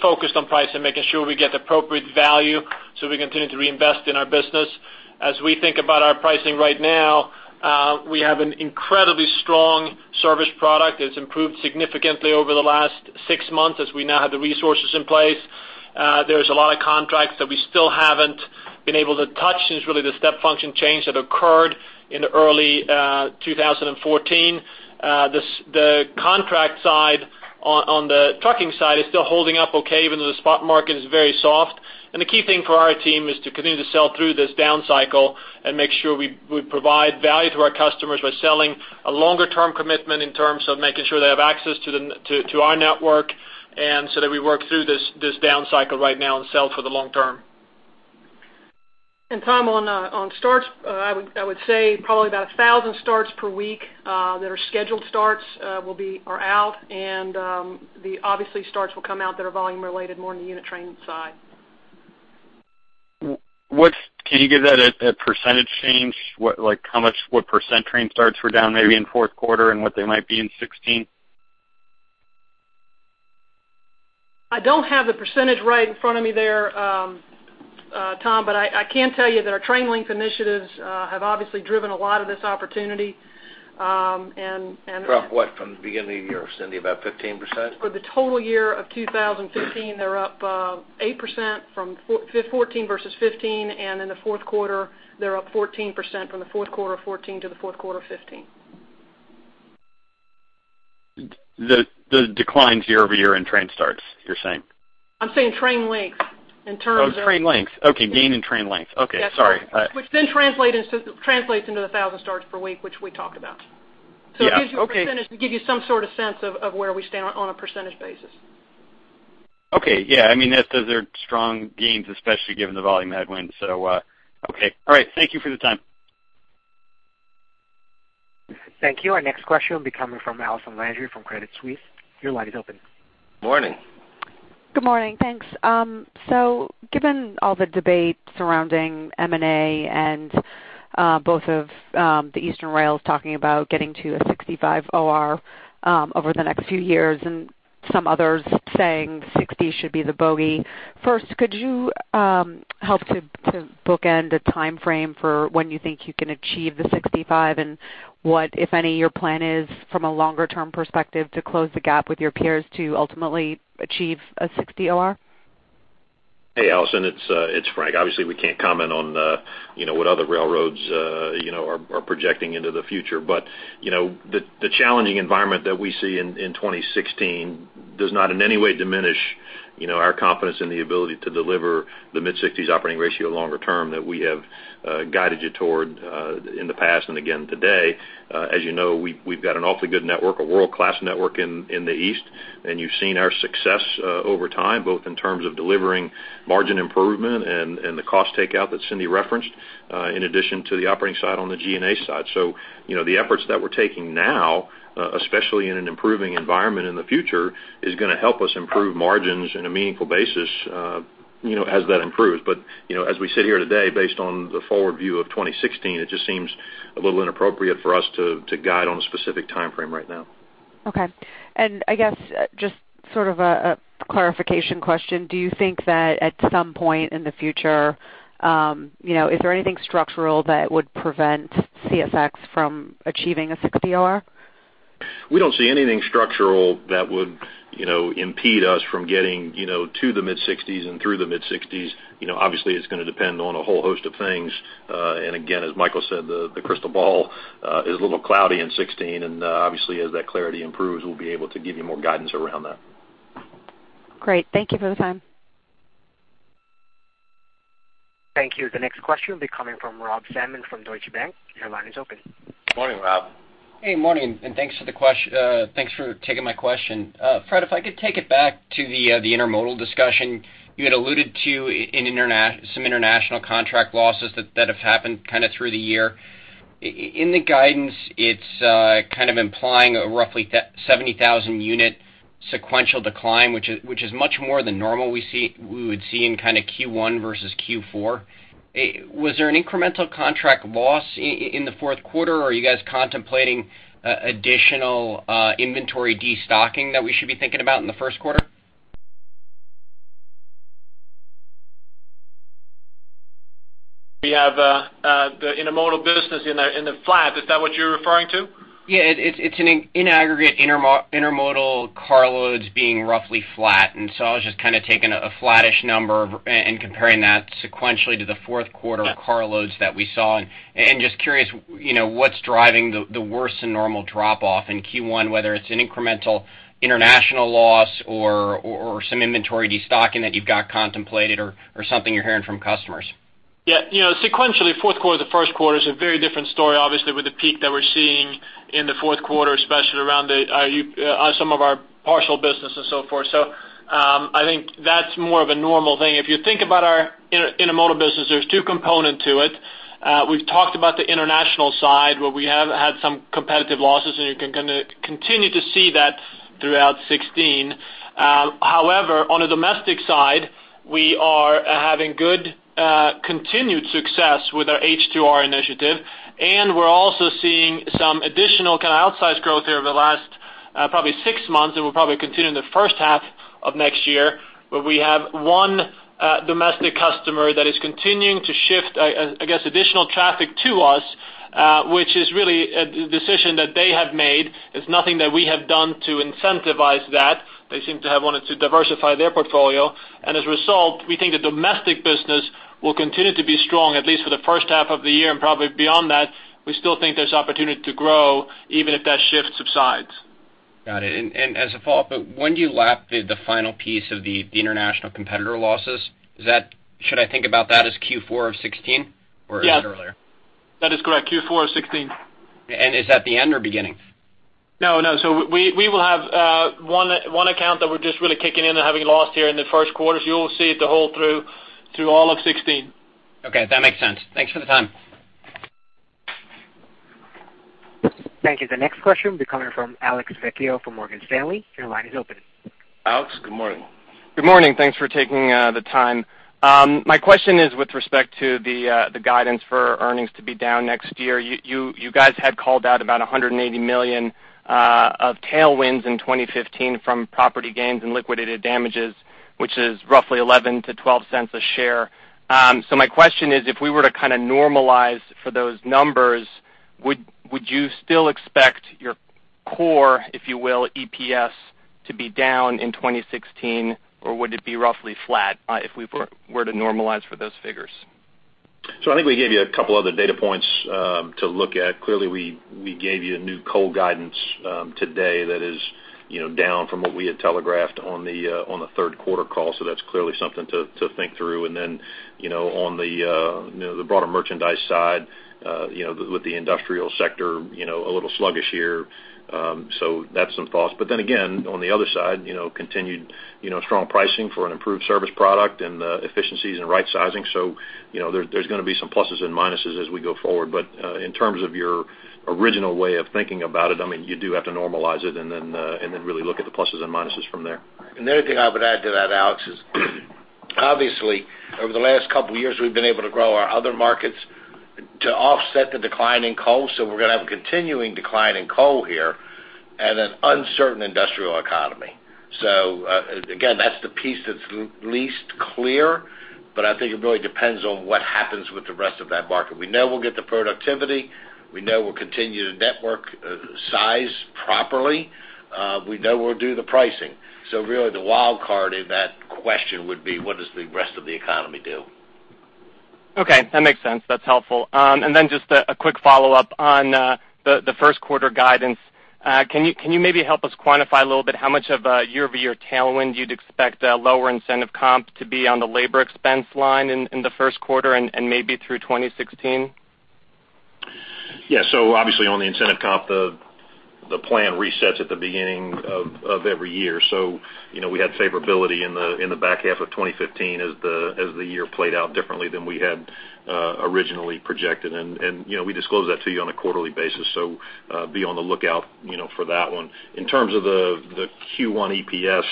[SPEAKER 6] focused on pricing, making sure we get the appropriate value so we continue to reinvest in our business. As we think about our pricing right now, we have an incredibly strong service product. It's improved significantly over the last six months as we now have the resources in place. There's a lot of contracts that we still haven't been able to touch. It's really the step function change that occurred in early 2014. The contract side on the trucking side is still holding up okay even though the spot market is very soft. The key thing for our team is to continue to sell through this downcycle and make sure we provide value to our customers by selling a longer-term commitment in terms of making sure they have access to our network and so that we work through this downcycle right now and sell for the long term.
[SPEAKER 9] Tom, on starts, I would say probably about 1,000 starts per week that are scheduled starts are out. Obviously, starts will come out that are volume-related more on the unit train side.
[SPEAKER 11] Can you give that a percentage change? What % train starts were down maybe in fourth quarter and what they might be in 2016?
[SPEAKER 9] I don't have the percentage right in front of me there, Tom. But I can tell you that our train length initiatives have obviously driven a lot of this opportunity. And.
[SPEAKER 4] From what? From the beginning of the year, Cindy, about 15%?
[SPEAKER 9] For the total year of 2015, they're up 8% from 2014 versus 2015. In the fourth quarter, they're up 14% from the fourth quarter of 2014 to the fourth quarter of 2015.
[SPEAKER 11] The declines year over year in train starts, you're saying?
[SPEAKER 9] I'm saying train length in terms of.
[SPEAKER 5] Oh, train length. Okay. Gain in train length. Okay. Sorry.
[SPEAKER 9] Yeah. Which then translates into the 1,000 starts per week, which we talked about. So it gives you a percentage to give you some sort of sense of where we stand on a percentage basis.
[SPEAKER 5] Okay. Yeah. I mean, those are strong gains, especially given the volume headwind. So okay. All right. Thank you for the time.
[SPEAKER 1] Thank you. Our next question will be coming from Allison Landry from Credit Suisse. Your line is open.
[SPEAKER 4] Morning.
[SPEAKER 5] Good morning. Thanks. So given all the debate surrounding M&A and both of the Eastern rails talking about getting to a 65 OR over the next few years and some others saying 60 should be the bogey, first, could you help to bookend a timeframe for when you think you can achieve the 65 and what, if any, your plan is from a longer-term perspective to close the gap with your peers to ultimately achieve a 60 OR?
[SPEAKER 4] Hey, Allison. It's Frank. Obviously, we can't comment on what other railroads are projecting into the future. But the challenging environment that we see in 2016 does not in any way diminish our confidence in the ability to deliver the mid-60s operating ratio longer term that we have guided you toward in the past and again today. As you know, we've got an awfully good network, a world-class network in the East. And you've seen our success over time, both in terms of delivering margin improvement and the cost takeout that Cindy referenced, in addition to the operating side on the G&A side. So the efforts that we're taking now, especially in an improving environment in the future, is going to help us improve margins on a meaningful basis as that improves. But as we sit here today, based on the forward view of 2016, it just seems a little inappropriate for us to guide on a specific timeframe right now.
[SPEAKER 12] Okay. I guess just sort of a clarification question. Do you think that at some point in the future, is there anything structural that would prevent CSX from achieving a 60 OR?
[SPEAKER 4] We don't see anything structural that would impede us from getting to the mid-60s and through the mid-60s. Obviously, it's going to depend on a whole host of things. And again, as Michael said, the crystal ball is a little cloudy in 2016. And obviously, as that clarity improves, we'll be able to give you more guidance around that.
[SPEAKER 5] Great. Thank you for the time.
[SPEAKER 1] Thank you. The next question will be coming from Rob Salmon from Deutsche Bank. Your line is open.
[SPEAKER 3] Morning, Rob.
[SPEAKER 5] Hey. Morning. Thanks for taking my question. Fred, if I could take it back to the intermodal discussion, you had alluded to some international contract losses that have happened kind of through the year. In the guidance, it's kind of implying a roughly 70,000-unit sequential decline, which is much more than normal we would see in kind of Q1 versus Q4. Was there an incremental contract loss in the fourth quarter? Are you guys contemplating additional inventory destocking that we should be thinking about in the first quarter?
[SPEAKER 6] We have the intermodal business in the flat. Is that what you're referring to?
[SPEAKER 5] Yeah. It's in aggregate intermodal carloads being roughly flat. And so I was just kind of taking a flat-ish number and comparing that sequentially to the fourth quarter carloads that we saw. And just curious, what's driving the worse-than-normal drop-off in Q1, whether it's an incremental international loss or some inventory destocking that you've got contemplated or something you're hearing from customers?
[SPEAKER 6] Yeah. Sequentially, fourth quarter to first quarter is a very different story, obviously, with the peak that we're seeing in the fourth quarter, especially around some of our parcel business and so forth. So I think that's more of a normal thing. If you think about our intermodal business, there's two components to it. We've talked about the international side where we have had some competitive losses. And you can continue to see that throughout 2016. However, on the domestic side, we are having good continued success with our H2R initiative. And we're also seeing some additional kind of outsized growth here over the last probably six months. And we'll probably continue in the first half of next year. But we have one domestic customer that is continuing to shift, I guess, additional traffic to us, which is really a decision that they have made. It's nothing that we have done to incentivize that. They seem to have wanted to diversify their portfolio. And as a result, we think the domestic business will continue to be strong, at least for the first half of the year and probably beyond that. We still think there's opportunity to grow even if that shift subsides.
[SPEAKER 5] Got it. And as a follow-up, when do you lap the final piece of the international competitor losses? Should I think about that as Q4 of 2016? Or is it earlier?
[SPEAKER 6] Yes. That is correct. Q4 of 2016.
[SPEAKER 5] Is that the end or beginning?
[SPEAKER 6] No. No. So we will have one account that we're just really kicking in and having lost here in the first quarter. So you'll see it the whole through all of 2016.
[SPEAKER 5] Okay. That makes sense. Thanks for the time.
[SPEAKER 1] Thank you. The next question will be coming from Alex Vecchio from Morgan Stanley. Your line is open.
[SPEAKER 3] Alex. Good morning.
[SPEAKER 5] Good morning. Thanks for taking the time. My question is with respect to the guidance for earnings to be down next year. You guys had called out about $180 million of tailwinds in 2015 from property gains and liquidated damages, which is roughly $0.11-$0.12 a share. So my question is, if we were to kind of normalize for those numbers, would you still expect your core, if you will, EPS to be down in 2016? Or would it be roughly flat if we were to normalize for those figures?
[SPEAKER 4] So I think we gave you a couple other data points to look at. Clearly, we gave you new coal guidance today that is down from what we had telegraphed on the third quarter call. So that's clearly something to think through. And then on the broader merchandise side with the industrial sector, a little sluggish year. So that's some thoughts. But then again, on the other side, continued strong pricing for an improved service product and efficiencies and right-sizing. So there's going to be some pluses and minuses as we go forward. But in terms of your original way of thinking about it, I mean, you do have to normalize it and then really look at the pluses and minuses from there.
[SPEAKER 3] And the other thing I would add to that, Alex, is obviously, over the last couple of years, we've been able to grow our other markets to offset the declining coal. So we're going to have a continuing decline in coal here and an uncertain industrial economy. So again, that's the piece that's least clear. But I think it really depends on what happens with the rest of that market. We know we'll get the productivity. We know we'll continue to network size properly. We know we'll do the pricing. So really, the wild card in that question would be, what does the rest of the economy do?
[SPEAKER 5] Okay. That makes sense. That's helpful. And then just a quick follow-up on the first quarter guidance. Can you maybe help us quantify a little bit how much of a year-over-year tailwind you'd expect lower incentive comp to be on the labor expense line in the first quarter and maybe through 2016?
[SPEAKER 4] Yeah. So obviously, on the incentive comp, the plan resets at the beginning of every year. So we had favorability in the back half of 2015 as the year played out differently than we had originally projected. And we disclose that to you on a quarterly basis. So be on the lookout for that one. In terms of the Q1 EPS,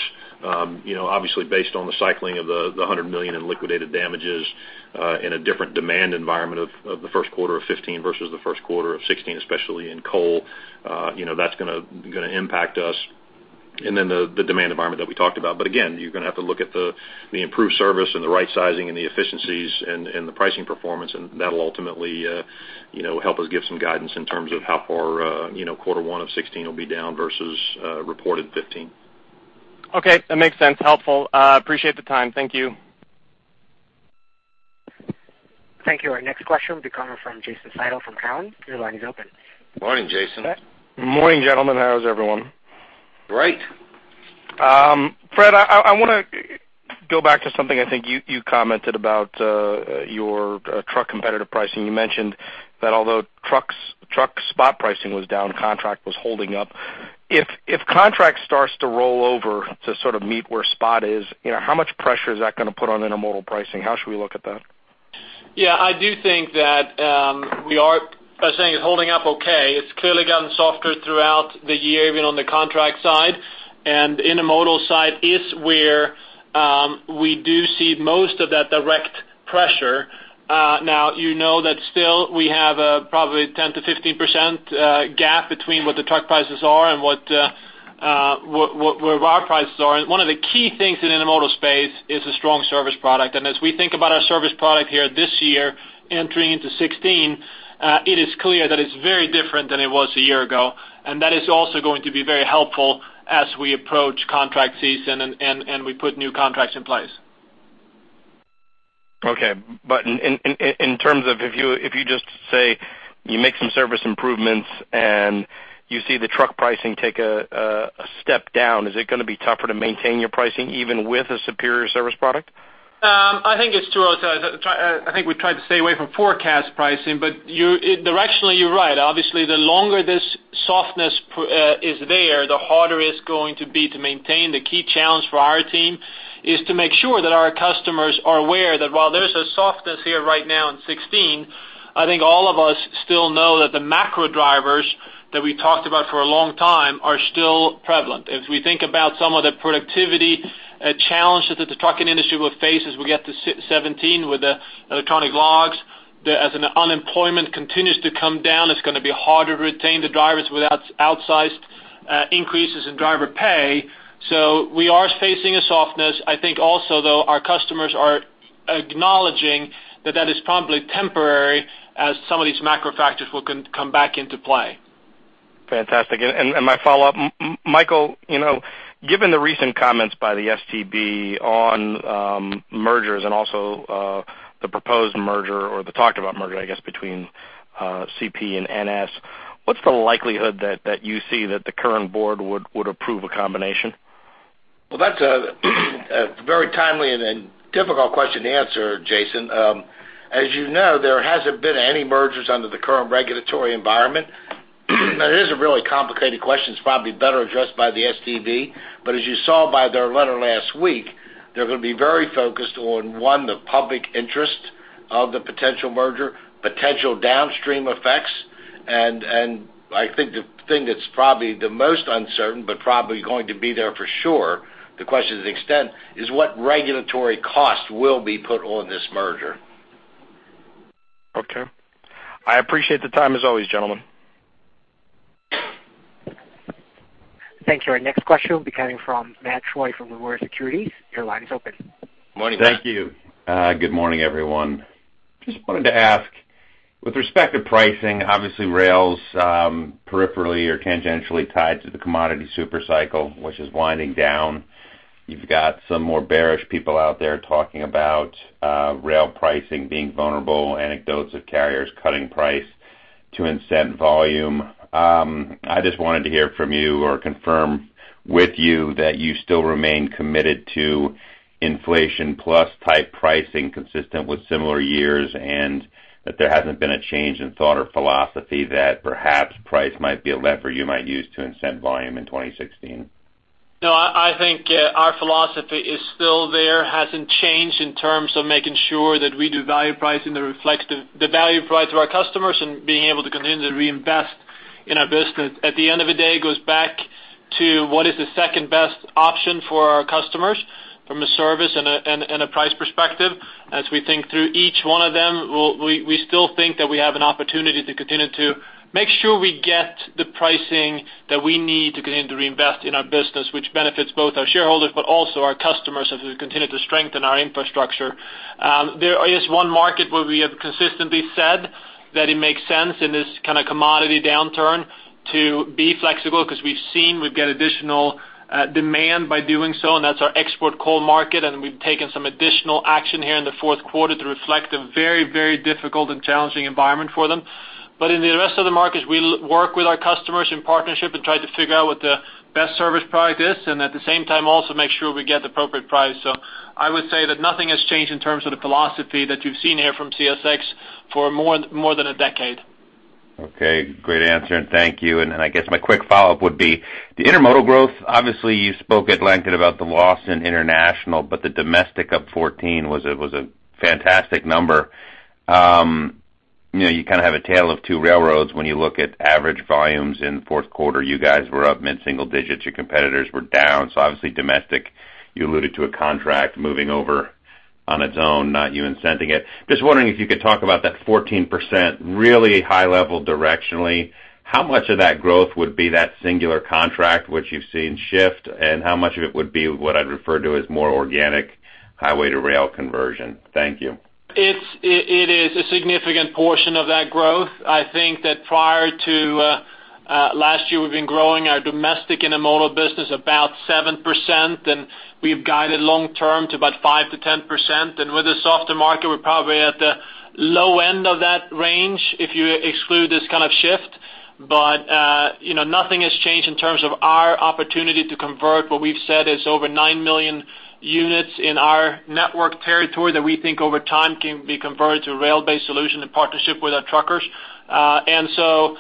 [SPEAKER 4] obviously, based on the cycling of the $100 million in liquidated damages in a different demand environment of the first quarter of 2015 versus the first quarter of 2016, especially in coal, that's going to impact us and then the demand environment that we talked about. But again, you're going to have to look at the improved service and the right-sizing and the efficiencies and the pricing performance. That'll ultimately help us give some guidance in terms of how far quarter one of 2016 will be down versus reported 2015.
[SPEAKER 5] Okay. That makes sense. Helpful. Appreciate the time. Thank you.
[SPEAKER 1] Thank you. Our next question will be coming from Jason Seidl from Cowen. Your line is open.
[SPEAKER 4] Morning, Jason.
[SPEAKER 5] Morning, gentlemen. How's everyone?
[SPEAKER 4] Great.
[SPEAKER 13] Fred, I want to go back to something I think you commented about your truck competitor pricing. You mentioned that although truck spot pricing was down, contract was holding up. If contract starts to roll over to sort of meet where spot is, how much pressure is that going to put on intermodal pricing? How should we look at that?
[SPEAKER 6] Yeah. I do think that we are saying it's holding up okay. It's clearly gotten softer throughout the year, even on the contract side. And intermodal side is where we do see most of that direct pressure. Now, you know that still we have probably a 10%-15% gap between what the truck prices are and where our prices are. And one of the key things in intermodal space is a strong service product. As we think about our service product here this year entering into 2016, it is clear that it's very different than it was a year ago. That is also going to be very helpful as we approach contract season and we put new contracts in place.
[SPEAKER 5] Okay. But in terms of if you just say you make some service improvements and you see the truck pricing take a step down, is it going to be tougher to maintain your pricing even with a superior service product?
[SPEAKER 6] I think it's true. I think we tried to stay away from forecast pricing. But directionally, you're right. Obviously, the longer this softness is there, the harder it's going to be to maintain. The key challenge for our team is to make sure that our customers are aware that while there's a softness here right now in 2016, I think all of us still know that the macro drivers that we talked about for a long time are still prevalent. If we think about some of the productivity challenges that the trucking industry will face as we get to 2017 with the electronic logs, as unemployment continues to come down, it's going to be harder to retain the drivers without outsized increases in driver pay. So we are facing a softness. I think also, though, our customers are acknowledging that that is probably temporary as some of these macro factors will come back into play.
[SPEAKER 13] Fantastic. My follow-up, Michael, given the recent comments by the STB on mergers and also the proposed merger or the talked-about merger, I guess, between CP and NS, what's the likelihood that you see that the current board would approve a combination?
[SPEAKER 3] Well, that's a very timely and difficult question to answer, Jason. As you know, there hasn't been any mergers under the current regulatory environment. Now, it is a really complicated question. It's probably better addressed by the STB. But as you saw by their letter last week, they're going to be very focused on, one, the public interest of the potential merger, potential downstream effects. And I think the thing that's probably the most uncertain but probably going to be there for sure, the question to the extent, is what regulatory cost will be put on this merger.
[SPEAKER 13] Okay. I appreciate the time as always, gentlemen.
[SPEAKER 1] Thank you. Our next question will be coming from Matt Troy from Nomura. Your line is open.
[SPEAKER 3] Morning. Thank you.
[SPEAKER 5] Good morning, everyone. Just wanted to ask, with respect to pricing, obviously, rail's peripherally or tangentially tied to the commodity supercycle, which is winding down. You've got some more bearish people out there talking about rail pricing being vulnerable, anecdotes of carriers cutting price to incent volume. I just wanted to hear from you or confirm with you that you still remain committed to inflation-plus type pricing consistent with similar years and that there hasn't been a change in thought or philosophy that perhaps price might be a lever you might use to incent volume in 2016.
[SPEAKER 6] No. I think our philosophy is still there, hasn't changed in terms of making sure that we do value pricing that reflects the value provided to our customers and being able to continue to reinvest in our business. At the end of the day, it goes back to what is the second-best option for our customers from a service and a price perspective. As we think through each one of them, we still think that we have an opportunity to continue to make sure we get the pricing that we need to continue to reinvest in our business, which benefits both our shareholders but also our customers as we continue to strengthen our infrastructure. There is one market where we have consistently said that it makes sense in this kind of commodity downturn to be flexible because we've seen we've got additional demand by doing so. That's our export coal market. We've taken some additional action here in the fourth quarter to reflect a very, very difficult and challenging environment for them. But in the rest of the markets, we work with our customers in partnership and try to figure out what the best service product is and at the same time also make sure we get the appropriate price. I would say that nothing has changed in terms of the philosophy that you've seen here from CSX for more than a decade.
[SPEAKER 5] Okay. Great answer. And thank you. And I guess my quick follow-up would be, the intermodal growth, obviously, you spoke at length about the loss in international. But the domestic of 2014 was a fantastic number. You kind of have a tale of two railroads. When you look at average volumes in fourth quarter, you guys were up mid-single digits. Your competitors were down. So obviously, domestic, you alluded to a contract moving over on its own, not you incenting it. Just wondering if you could talk about that 14% really high-level directionally, how much of that growth would be that singular contract which you've seen shift? And how much of it would be what I'd refer to as more organic highway-to-rail conversion? Thank you.
[SPEAKER 6] It is a significant portion of that growth. I think that prior to last year, we've been growing our domestic intermodal business about 7%. We've guided long-term to about 5%-10%. With a softer market, we're probably at the low end of that range if you exclude this kind of shift. Nothing has changed in terms of our opportunity to convert what we've said is over 9 million units in our network territory that we think over time can be converted to a rail-based solution in partnership with our truckers. So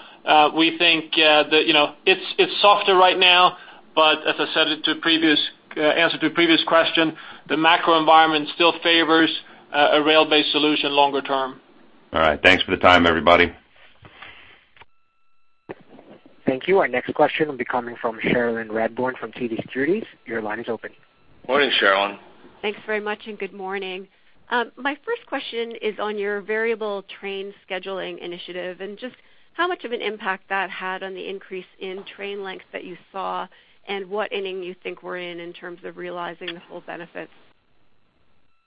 [SPEAKER 6] we think that it's softer right now. As I said in answer to your previous question, the macro environment still favors a rail-based solution longer term.
[SPEAKER 5] All right. Thanks for the time, everybody.
[SPEAKER 1] Thank you. Our next question will be coming from Cherilyn Radbourne from TD Securities. Your line is open.
[SPEAKER 3] Morning, Cherilyn.
[SPEAKER 5] Thanks very much. Good morning. My first question is on your variable train scheduling initiative and just how much of an impact that had on the increase in train lengths that you saw and what inning you think we're in in terms of realizing the full benefits?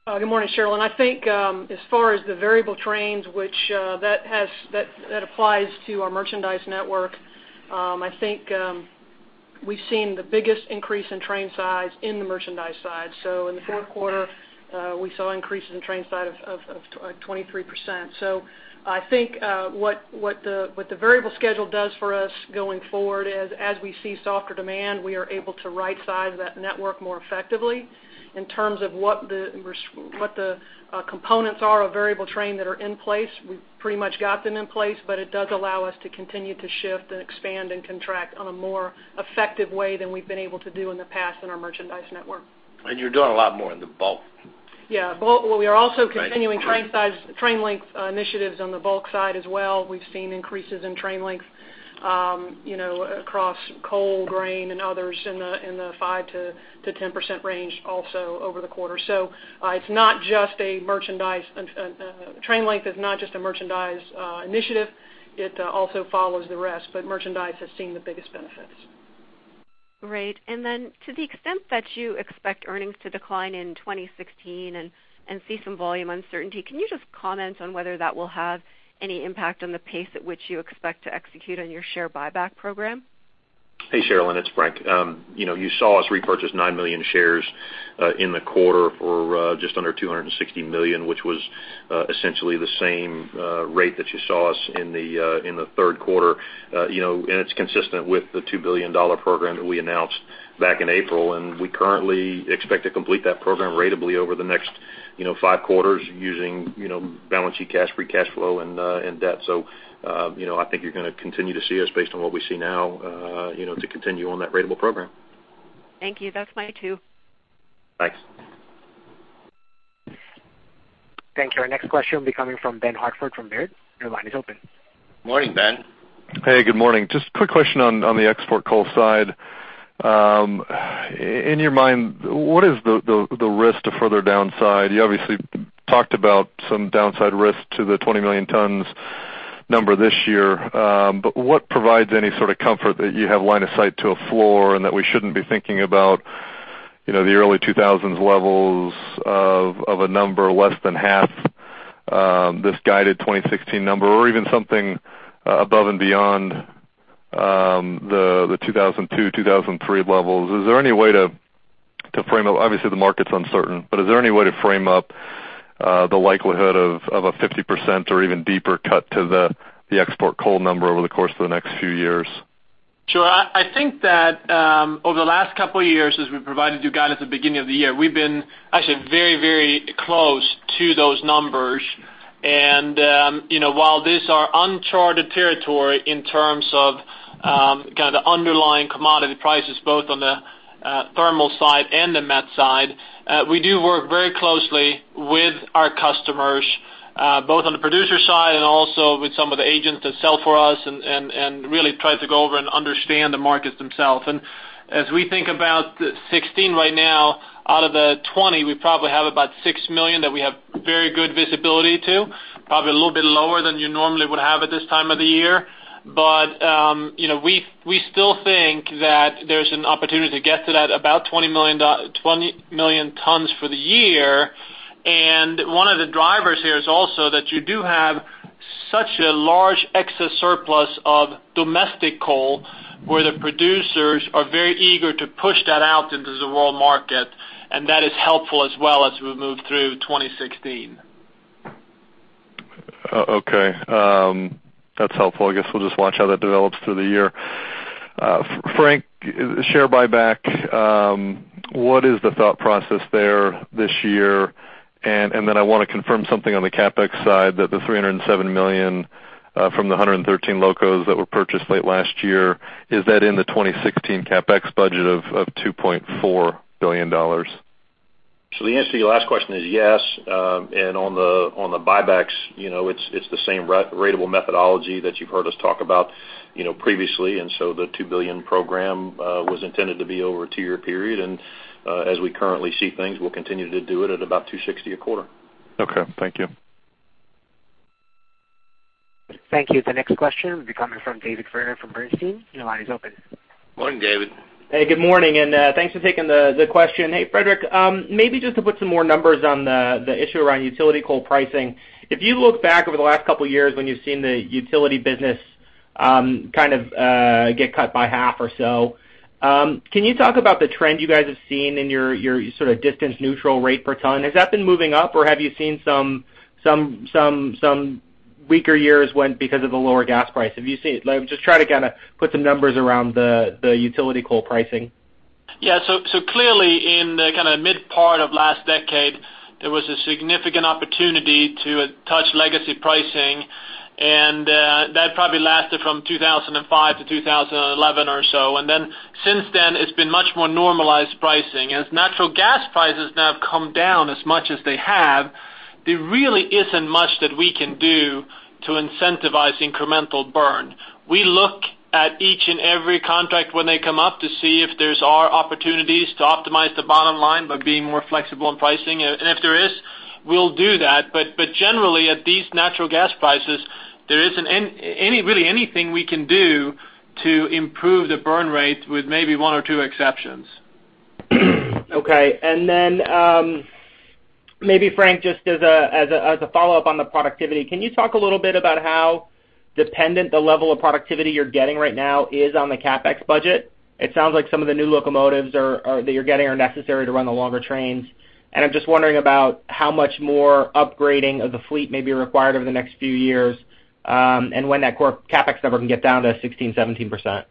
[SPEAKER 9] Good morning, Cherilyn. I think as far as the variable trains, which that applies to our merchandise network, I think we've seen the biggest increase in train size in the merchandise side. So in the fourth quarter, we saw increases in train size of 23%. So I think what the variable schedule does for us going forward is as we see softer demand, we are able to right-size that network more effectively. In terms of what the components are of variable train that are in place, we've pretty much got them in place. But it does allow us to continue to shift and expand and contract on a more effective way than we've been able to do in the past in our merchandise network.
[SPEAKER 3] You're doing a lot more in the bulk.
[SPEAKER 9] Yeah. We are also continuing train length initiatives on the bulk side as well. We've seen increases in train length across coal, grain, and others in the 5%-10% range also over the quarter. So it's not just a merchandise train length. It's not just a merchandise initiative. It also follows the rest. But merchandise has seen the biggest benefits.
[SPEAKER 14] Great. And then to the extent that you expect earnings to decline in 2016 and see some volume uncertainty, can you just comment on whether that will have any impact on the pace at which you expect to execute on your share buyback program?
[SPEAKER 4] Hey, Cherilyn. It's Frank. You saw us repurchase 9 million shares in the quarter for just under $260 million, which was essentially the same rate that you saw us in the third quarter. It's consistent with the $2 billion program that we announced back in April. We currently expect to complete that program ratably over the next five quarters using balance sheet cash, free cash flow, and debt. I think you're going to continue to see us based on what we see now to continue on that ratable program.
[SPEAKER 14] Thank you. That's my two.
[SPEAKER 4] Thanks.
[SPEAKER 1] Thank you. Our next question will be coming from Ben Hartford from Baird. Your line is open.
[SPEAKER 3] Morning, Ben.
[SPEAKER 15] Hey. Good morning. Just quick question on the export coal side. In your mind, what is the risk to further downside? You obviously talked about some downside risk to the 20 million tons number this year. But what provides any sort of comfort that you have line of sight to a floor and that we shouldn't be thinking about the early 2000s levels of a number less than half this guided 2016 number or even something above and beyond the 2002, 2003 levels? Is there any way to frame up, obviously, the market's uncertain. But is there any way to frame up the likelihood of a 50% or even deeper cut to the export coal number over the course of the next few years?
[SPEAKER 6] Sure. I think that over the last couple of years as we provided you guidance at the beginning of the year, we've been actually very, very close to those numbers. And while these are uncharted territory in terms of kind of the underlying commodity prices both on the thermal side and the met side, we do work very closely with our customers both on the producer side and also with some of the agents that sell for us and really try to go over and understand the markets themselves. And as we think about 2016 right now, out of the 20, we probably have about 6 million that we have very good visibility to, probably a little bit lower than you normally would have at this time of the year. But we still think that there's an opportunity to get to that about 20 million tons for the year. One of the drivers here is also that you do have such a large excess surplus of domestic coal where the producers are very eager to push that out into the world market. That is helpful as well as we move through 2016.
[SPEAKER 15] Okay. That's helpful. I guess we'll just watch how that develops through the year. Frank, share buyback, what is the thought process there this year? And then I want to confirm something on the CapEx side that the $307 million from the 113 locos that were purchased late last year, is that in the 2016 CapEx budget of $2.4 billion?
[SPEAKER 4] The answer to your last question is yes. On the buybacks, it's the same ratable methodology that you've heard us talk about previously. So the $2 billion program was intended to be over a two-year period. As we currently see things, we'll continue to do it at about $260 million a quarter.
[SPEAKER 15] Okay. Thank you.
[SPEAKER 1] Thank you. The next question will be coming from David Vernon from Bernstein. Your line is open.
[SPEAKER 3] Morning, David.
[SPEAKER 16] Hey. Good morning. And thanks for taking the question. Hey, Frederick, maybe just to put some more numbers on the issue around utility coal pricing, if you look back over the last couple of years when you've seen the utility business kind of get cut by half or so, can you talk about the trend you guys have seen in your sort of distance-neutral rate per ton? Has that been moving up? Or have you seen some weaker years because of the lower gas price? Just try to kind of put some numbers around the utility coal pricing.
[SPEAKER 6] Yeah. So clearly, in the kind of mid-part of last decade, there was a significant opportunity to touch legacy pricing. That probably lasted from 2005 to 2011 or so. Then since then, it's been much more normalized pricing. As natural gas prices now have come down as much as they have, there really isn't much that we can do to incentivize incremental burn. We look at each and every contract when they come up to see if there are opportunities to optimize the bottom line by being more flexible in pricing. And if there is, we'll do that. But generally, at these natural gas prices, there isn't really anything we can do to improve the burn rate with maybe one or two exceptions.
[SPEAKER 16] Okay. And then maybe, Frank, just as a follow-up on the productivity, can you talk a little bit about how dependent the level of productivity you're getting right now is on the CapEx budget? It sounds like some of the new locomotives that you're getting are necessary to run the longer trains. And I'm just wondering about how much more upgrading of the fleet may be required over the next few years and when that CapEx number can get down to 16%-17%.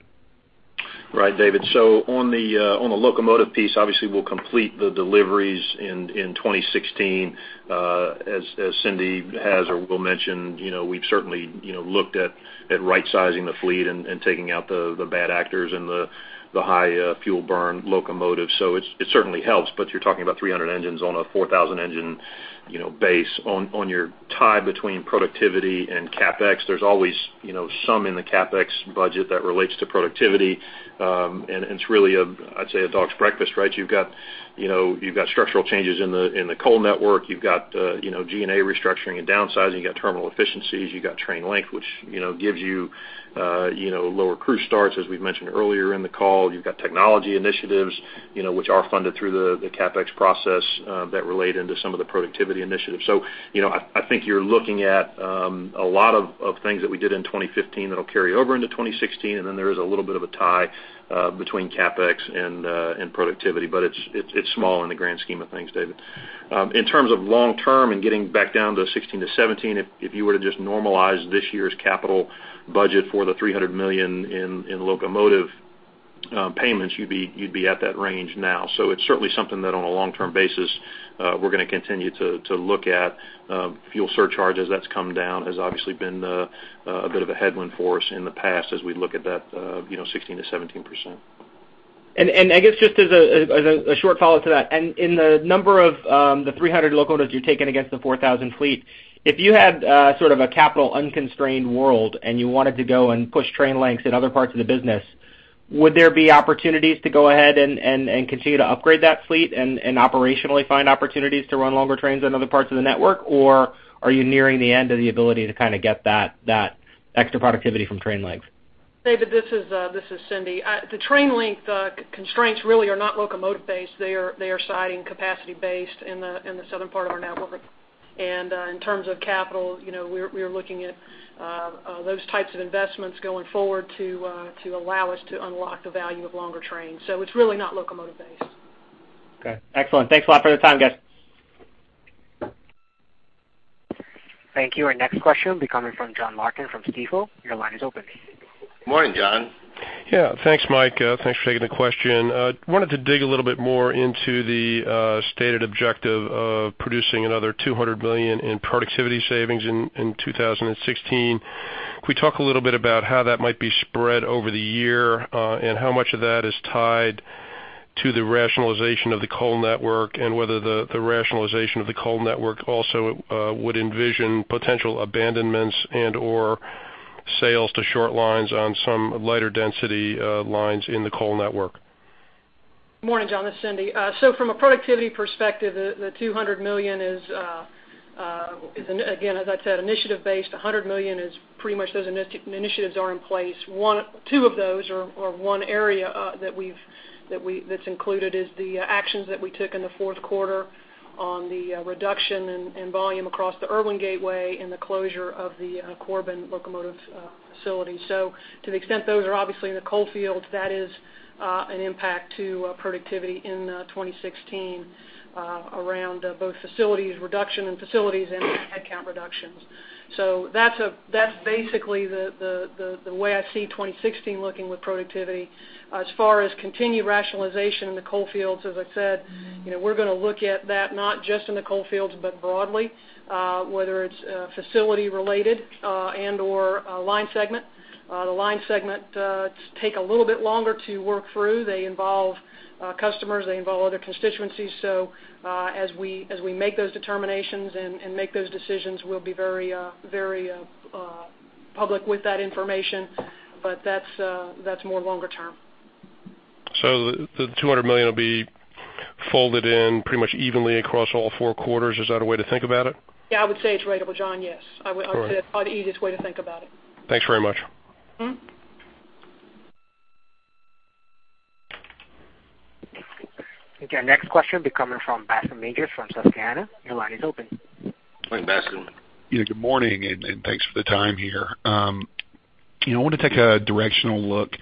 [SPEAKER 4] Right, David. So on the locomotive piece, obviously, we'll complete the deliveries in 2016. As Cindy has or will mention, we've certainly looked at right-sizing the fleet and taking out the bad actors and the high-fuel-burn locomotives. So it certainly helps. But you're talking about 300 engines on a 4,000-engine base. On your tie between productivity and CapEx, there's always some in the CapEx budget that relates to productivity. And it's really, I'd say, a dog's breakfast, right? You've got structural changes in the coal network. You've got G&A restructuring and downsizing. You've got terminal efficiencies. You've got train length, which gives you lower crew starts, as we've mentioned earlier in the call. You've got technology initiatives, which are funded through the CapEx process that relate into some of the productivity initiatives. So I think you're looking at a lot of things that we did in 2015 that'll carry over into 2016. And then there is a little bit of a tie between CapEx and productivity. But it's small in the grand scheme of things, David. In terms of long-term and getting back down to 2016 to 2017, if you were to just normalize this year's capital budget for the $300 million in locomotive payments, you'd be at that range now. So it's certainly something that on a long-term basis, we're going to continue to look at. Fuel surcharge as that's come down has obviously been a bit of a headwind for us in the past as we look at that 16%-17%.
[SPEAKER 16] I guess just as a short follow-up to that, in the number of the 300 locos you're taking against the 4,000 fleet, if you had sort of a capital-unconstrained world and you wanted to go and push train lengths in other parts of the business, would there be opportunities to go ahead and continue to upgrade that fleet and operationally find opportunities to run longer trains in other parts of the network? Or are you nearing the end of the ability to kind of get that extra productivity from train length?
[SPEAKER 9] David, this is Cindy. The train length constraints really are not locomotive-based. They are siding capacity-based in the southern part of our network. In terms of capital, we're looking at those types of investments going forward to allow us to unlock the value of longer trains. So it's really not locomotive-based.
[SPEAKER 16] Okay. Excellent. Thanks a lot for the time, guys.
[SPEAKER 1] Thank you. Our next question will be coming from John Larkin from Stifel. Your line is open.
[SPEAKER 3] Morning, John.
[SPEAKER 17] Yeah. Thanks, Mike. Thanks for taking the question. I wanted to dig a little bit more into the stated objective of producing another $200 million in productivity savings in 2016. Can we talk a little bit about how that might be spread over the year and how much of that is tied to the rationalization of the coal network and whether the rationalization of the coal network also would envision potential abandonments and/or sales to short lines on some lighter-density lines in the coal network?
[SPEAKER 9] Morning, John. This is Cindy. So from a productivity perspective, the $200 million is, again, as I said, initiative-based. $100 million is pretty much those initiatives are in place. Two of those or one area that's included is the actions that we took in the fourth quarter on the reduction in volume across the Erwin Gateway and the closure of the Corbin locomotive facility. So to the extent those are obviously in the coal fields, that is an impact to productivity in 2016 around both reduction in facilities and headcount reductions. So that's basically the way I see 2016 looking with productivity. As far as continued rationalization in the coal fields, as I said, we're going to look at that not just in the coal fields but broadly, whether it's facility-related and/or line segment. The line segments take a little bit longer to work through. They involve customers. They involve other constituencies. So as we make those determinations and make those decisions, we'll be very public with that information. But that's more longer term.
[SPEAKER 17] The $200 million will be folded in pretty much evenly across all four quarters. Is that a way to think about it?
[SPEAKER 9] Yeah. I would say it's ratable, John. Yes. I would say that's probably the easiest way to think about it.
[SPEAKER 17] Thanks very much.
[SPEAKER 1] Okay. Our next question will be coming from Bascome Majors from Susquehanna. Your line is open.
[SPEAKER 3] Morning, Bascome.
[SPEAKER 18] Good morning. Thanks for the time here. I want to take a directional look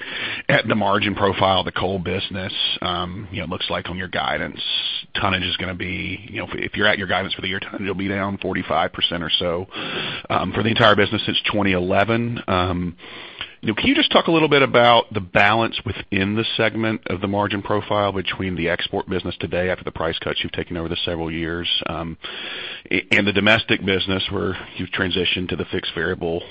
[SPEAKER 18] at the margin profile of the coal business. It looks like on your guidance, tonnage is going to be if you're at your guidance for the year, tonnage will be down 45% or so for the entire business since 2011. Can you just talk a little bit about the balance within the segment of the margin profile between the export business today after the price cuts you've taken over the several years and the domestic business where you've transitioned to the fixed variable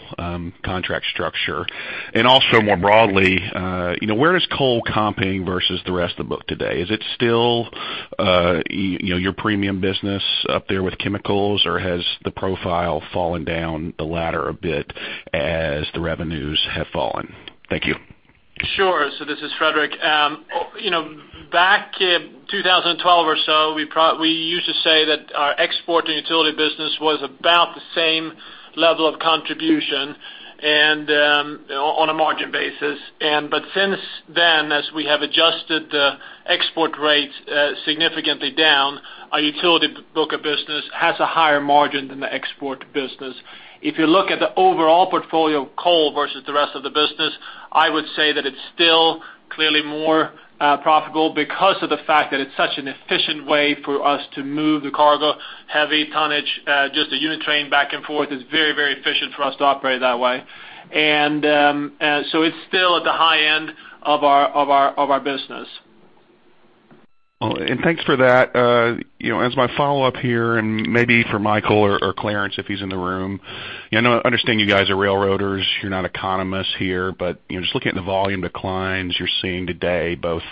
[SPEAKER 18] contract structure? And also more broadly, where does coal competing versus the rest of the book today? Is it still your premium business up there with chemicals? Or has the profile fallen down the ladder a bit as the revenues have fallen? Thank you.
[SPEAKER 6] Sure. So this is Frederick. Back in 2012 or so, we used to say that our export and utility business was about the same level of contribution on a margin basis. But since then, as we have adjusted the export rates significantly down, our utility book of business has a higher margin than the export business. If you look at the overall portfolio of coal versus the rest of the business, I would say that it's still clearly more profitable because of the fact that it's such an efficient way for us to move the cargo-heavy tonnage, just a unit train back and forth. It's very, very efficient for us to operate that way. And so it's still at the high end of our business.
[SPEAKER 18] Well, and thanks for that. As my follow-up here and maybe for Michael or Clarence if he's in the room, I understand you guys are railroaders. You're not economists here. But just looking at the volume declines you're seeing today, both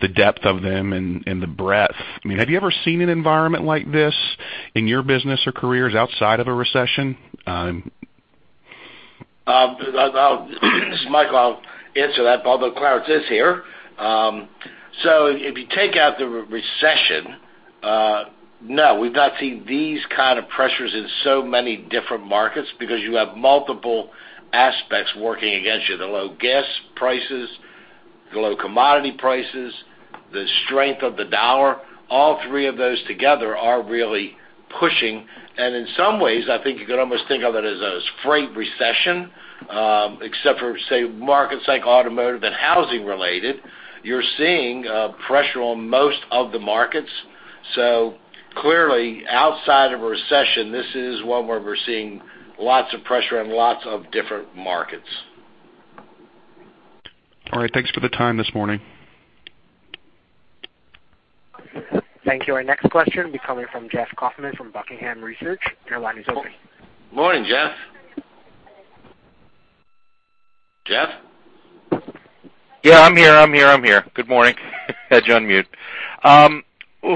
[SPEAKER 18] the depth of them and the breadth, I mean, have you ever seen an environment like this in your business or careers outside of a recession?
[SPEAKER 3] This is Michael. I'll answer that. Although Clarence is here. So if you take out the recession, no, we've not seen these kind of pressures in so many different markets because you have multiple aspects working against you: the low gas prices, the low commodity prices, the strength of the dollar. All three of those together are really pushing. And in some ways, I think you could almost think of it as a freight recession, except for, say, markets like automotive and housing-related, you're seeing pressure on most of the markets. So clearly, outside of a recession, this is one where we're seeing lots of pressure in lots of different markets.
[SPEAKER 18] All right. Thanks for the time this morning.
[SPEAKER 1] Thank you. Our next question will be coming from Jeff Kauffman from Buckingham Research. Your line is open.
[SPEAKER 3] Morning, Jeff. Jeff?
[SPEAKER 19] Yeah. I'm here. I'm here. I'm here. Good morning. Had you on mute. Well,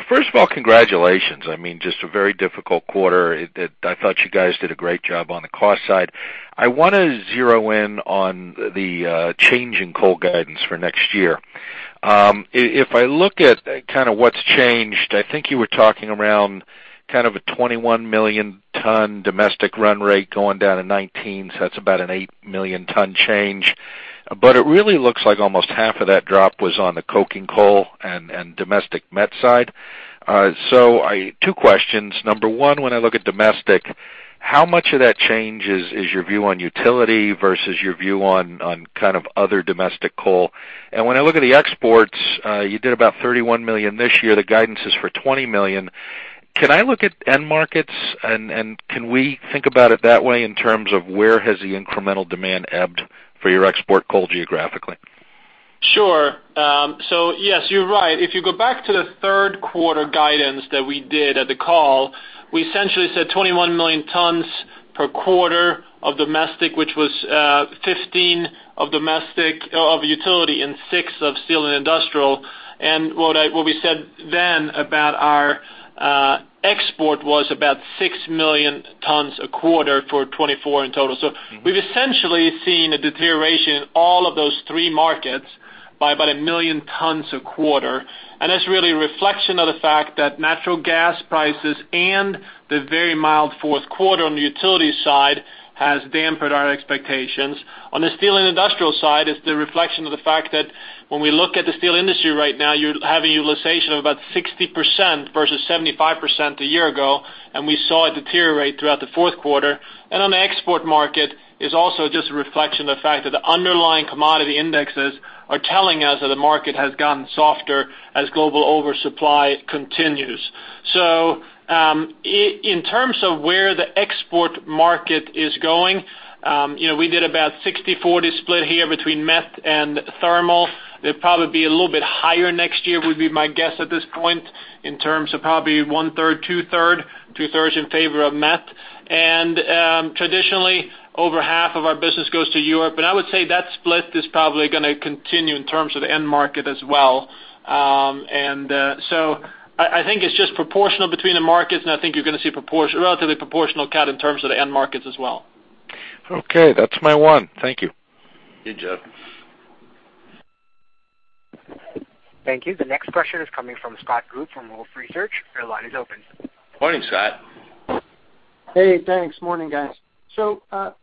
[SPEAKER 19] first of all, congratulations. I mean, just a very difficult quarter. I thought you guys did a great job on the cost side. I want to zero in on the change in coal guidance for next year. If I look at kind of what's changed, I think you were talking around kind of a 21 million-ton domestic run rate going down to 19. So that's about an 8 million-ton change. But it really looks like almost half of that drop was on the coking coal and domestic mets side. So two questions. Number one, when I look at domestic, how much of that change is your view on utility versus your view on kind of other domestic coal? And when I look at the exports, you did about 31 million this year. The guidance is for 20 million. Can I look at end markets? Can we think about it that way in terms of where has the incremental demand ebbed for your export coal geographically?
[SPEAKER 6] Sure. So yes, you're right. If you go back to the third-quarter guidance that we did at the call, we essentially said 21 million tons per quarter of domestic, which was 15 of utility and 6 of steel and industrial. And what we said then about our export was about 6 million tons a quarter for 2024 in total. So we've essentially seen a deterioration in all of those three markets by about a million tons a quarter. And that's really a reflection of the fact that natural gas prices and the very mild fourth quarter on the utility side has dampened our expectations. On the steel and industrial side, it's the reflection of the fact that when we look at the steel industry right now, you're having utilization of about 60% versus 75% a year ago. And we saw it deteriorate throughout the fourth quarter. On the export market, it's also just a reflection of the fact that the underlying commodity indexes are telling us that the market has gotten softer as global oversupply continues. So in terms of where the export market is going, we did about a 60/40 split here between met and thermal. It'd probably be a little bit higher next year, would be my guess at this point, in terms of probably 1/3, 2/3, 2/3 in favor of met. And traditionally, over half of our business goes to Europe. And I would say that split is probably going to continue in terms of the end market as well. And so I think it's just proportional between the markets. And I think you're going to see a relatively proportional cut in terms of the end markets as well.
[SPEAKER 19] Okay. That's my one. Thank you.
[SPEAKER 3] Good, Jeff.
[SPEAKER 1] Thank you. The next question is coming from Scott Group from Wolfe Research. Your line is open.
[SPEAKER 3] Morning, Scott.
[SPEAKER 20] Hey. Thanks. Morning, guys. So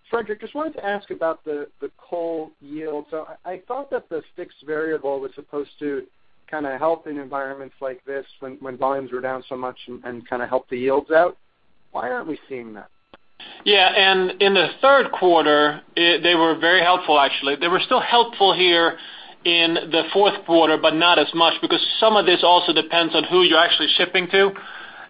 [SPEAKER 20] Frederick, just wanted to ask about the coal yield. So I thought that the fixed variable was supposed to kind of help in environments like this when volumes were down so much and kind of help the yields out. Why aren't we seeing that?
[SPEAKER 6] Yeah. And in the third quarter, they were very helpful, actually. They were still helpful here in the fourth quarter but not as much because some of this also depends on who you're actually shipping to.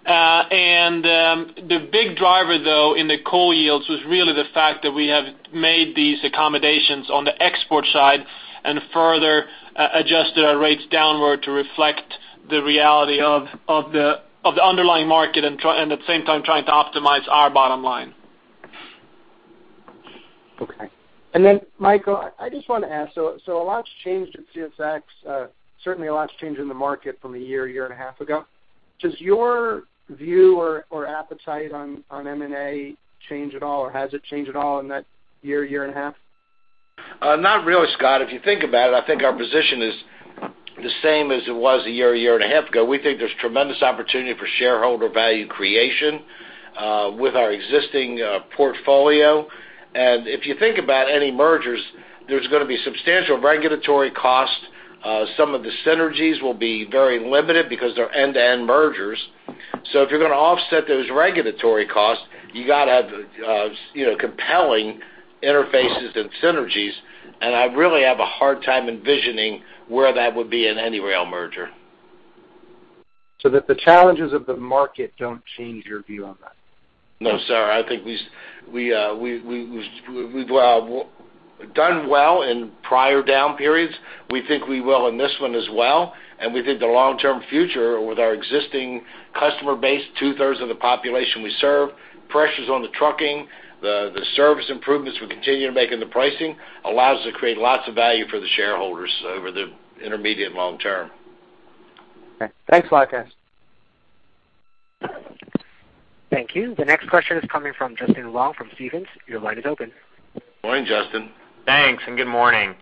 [SPEAKER 6] And the big driver, though, in the coal yields was really the fact that we have made these accommodations on the export side and further adjusted our rates downward to reflect the reality of the underlying market and at the same time trying to optimize our bottom line.
[SPEAKER 20] Okay. And then, Michael, I just want to ask. So a lot's changed at CSX. Certainly, a lot's changed in the market from a year, year and a half ago. Does your view or appetite on M&A change at all? Or has it changed at all in that year, year and a half?
[SPEAKER 21] Not really, Scott. If you think about it, I think our position is the same as it was a year, year and a half ago. We think there's tremendous opportunity for shareholder value creation with our existing portfolio. And if you think about any mergers, there's going to be substantial regulatory cost. Some of the synergies will be very limited because they're end-to-end mergers. So if you're going to offset those regulatory costs, you got to have compelling interfaces and synergies. And I really have a hard time envisioning where that would be in any rail merger.
[SPEAKER 20] So that the challenges of the market don't change your view on that?
[SPEAKER 21] No, sir. I think we've done well in prior down periods. We think we will in this one as well. And we think the long-term future with our existing customer base, two-thirds of the population we serve, pressures on the trucking, the service improvements we continue to make in the pricing allows us to create lots of value for the shareholders over the intermediate and long term.
[SPEAKER 20] Okay. Thanks guys.
[SPEAKER 1] Thank you. The next question is coming from Justin Long from Stephens. Your line is open.
[SPEAKER 3] Morning, Justin.
[SPEAKER 22] Thanks. Good morning.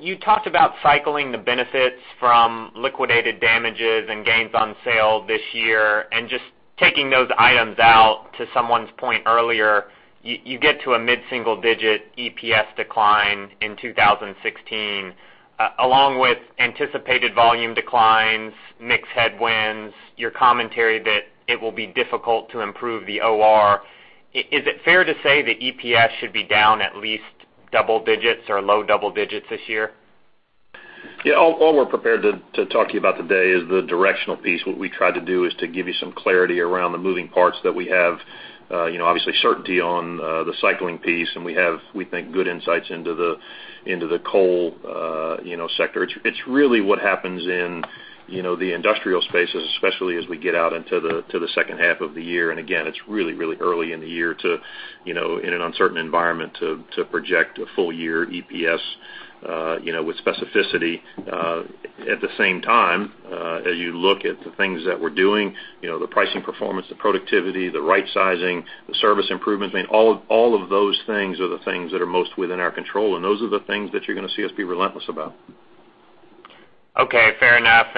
[SPEAKER 22] You talked about cycling the benefits from liquidated damages and gains on sale this year. Just taking those items out to someone's point earlier, you get to a mid-single-digit EPS decline in 2016 along with anticipated volume declines, mixed headwinds, your commentary that it will be difficult to improve the OR. Is it fair to say the EPS should be down at least double digits or low double digits this year?
[SPEAKER 4] Yeah. All we're prepared to talk to you about today is the directional piece. What we tried to do is to give you some clarity around the moving parts that we have. Obviously, certainty on the cycling piece. And we have, we think, good insights into the coal sector. It's really what happens in the industrial spaces, especially as we get out into the second half of the year. And again, it's really, really early in the year in an uncertain environment to project a full-year EPS with specificity. At the same time, as you look at the things that we're doing, the pricing performance, the productivity, the right sizing, the service improvements, I mean, all of those things are the things that are most within our control. And those are the things that you're going to see us be relentless about.
[SPEAKER 22] Okay. Fair enough.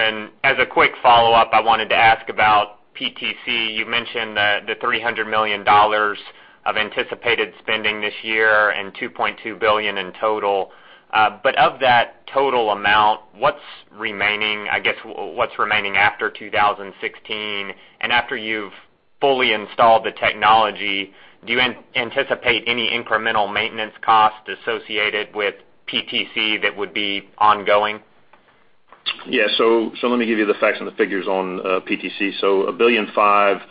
[SPEAKER 22] As a quick follow-up, I wanted to ask about PTC. You mentioned the $300 million of anticipated spending this year and $2.2 billion in total. But of that total amount, I guess, what's remaining after 2016? After you've fully installed the technology, do you anticipate any incremental maintenance costs associated with PTC that would be ongoing?
[SPEAKER 4] Yeah. So let me give you the facts and the figures on PTC. So $1.5 billion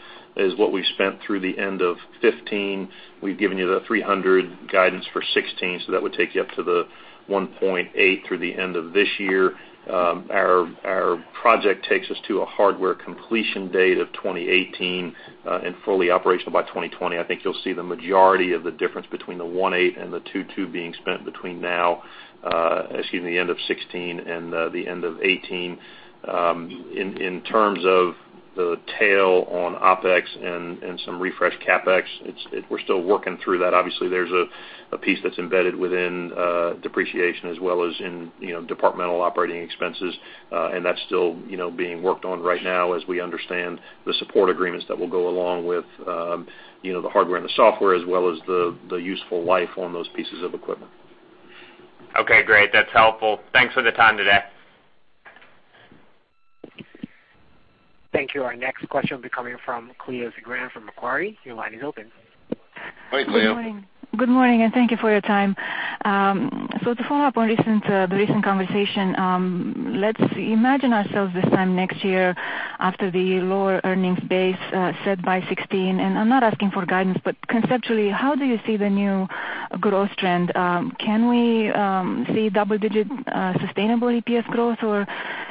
[SPEAKER 4] is what we've spent through the end of 2015. We've given you the 300 guidance for 2016. So that would take you up to the 1.8 billion through the end of this year. Our project takes us to a hardware completion date of 2018 and fully operational by 2020. I think you'll see the majority of the difference between the 1.8 billion and the 2.2 billion being spent between now - excuse me - the end of 2016 and the end of 2018. In terms of the tail on OpEx and some refreshed CapEx, we're still working through that. Obviously, there's a piece that's embedded within depreciation as well as in departmental operating expenses. That's still being worked on right now as we understand the support agreements that will go along with the hardware and the software as well as the useful life on those pieces of equipment.
[SPEAKER 22] Okay. Great. That's helpful. Thanks for the time today.
[SPEAKER 1] Thank you. Our next question will be coming from Cleo Zagrean from Macquarie. Your line is open.
[SPEAKER 3] Hi, Cleo.
[SPEAKER 23] Good morning. Good morning. And thank you for your time. So to follow up on the recent conversation, let's imagine ourselves this time next year after the lower earnings base set by 2016. And I'm not asking for guidance, but conceptually, how do you see the new growth trend? Can we see double-digit sustainable EPS growth? Or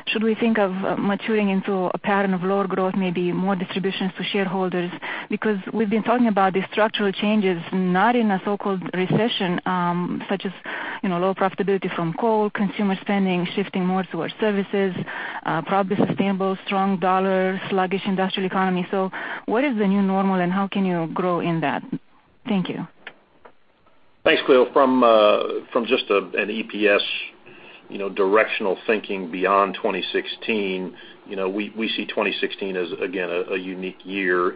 [SPEAKER 23] should we think of maturing into a pattern of lower growth, maybe more distributions to shareholders? Because we've been talking about these structural changes, not in a so-called recession such as low profitability from coal, consumer spending shifting more towards services, probably sustainable, strong dollar, sluggish industrial economy. So what is the new normal? And how can you grow in that? Thank you.
[SPEAKER 4] Thanks, Cleo. From just an EPS directional thinking beyond 2016, we see 2016 as, again, a unique year.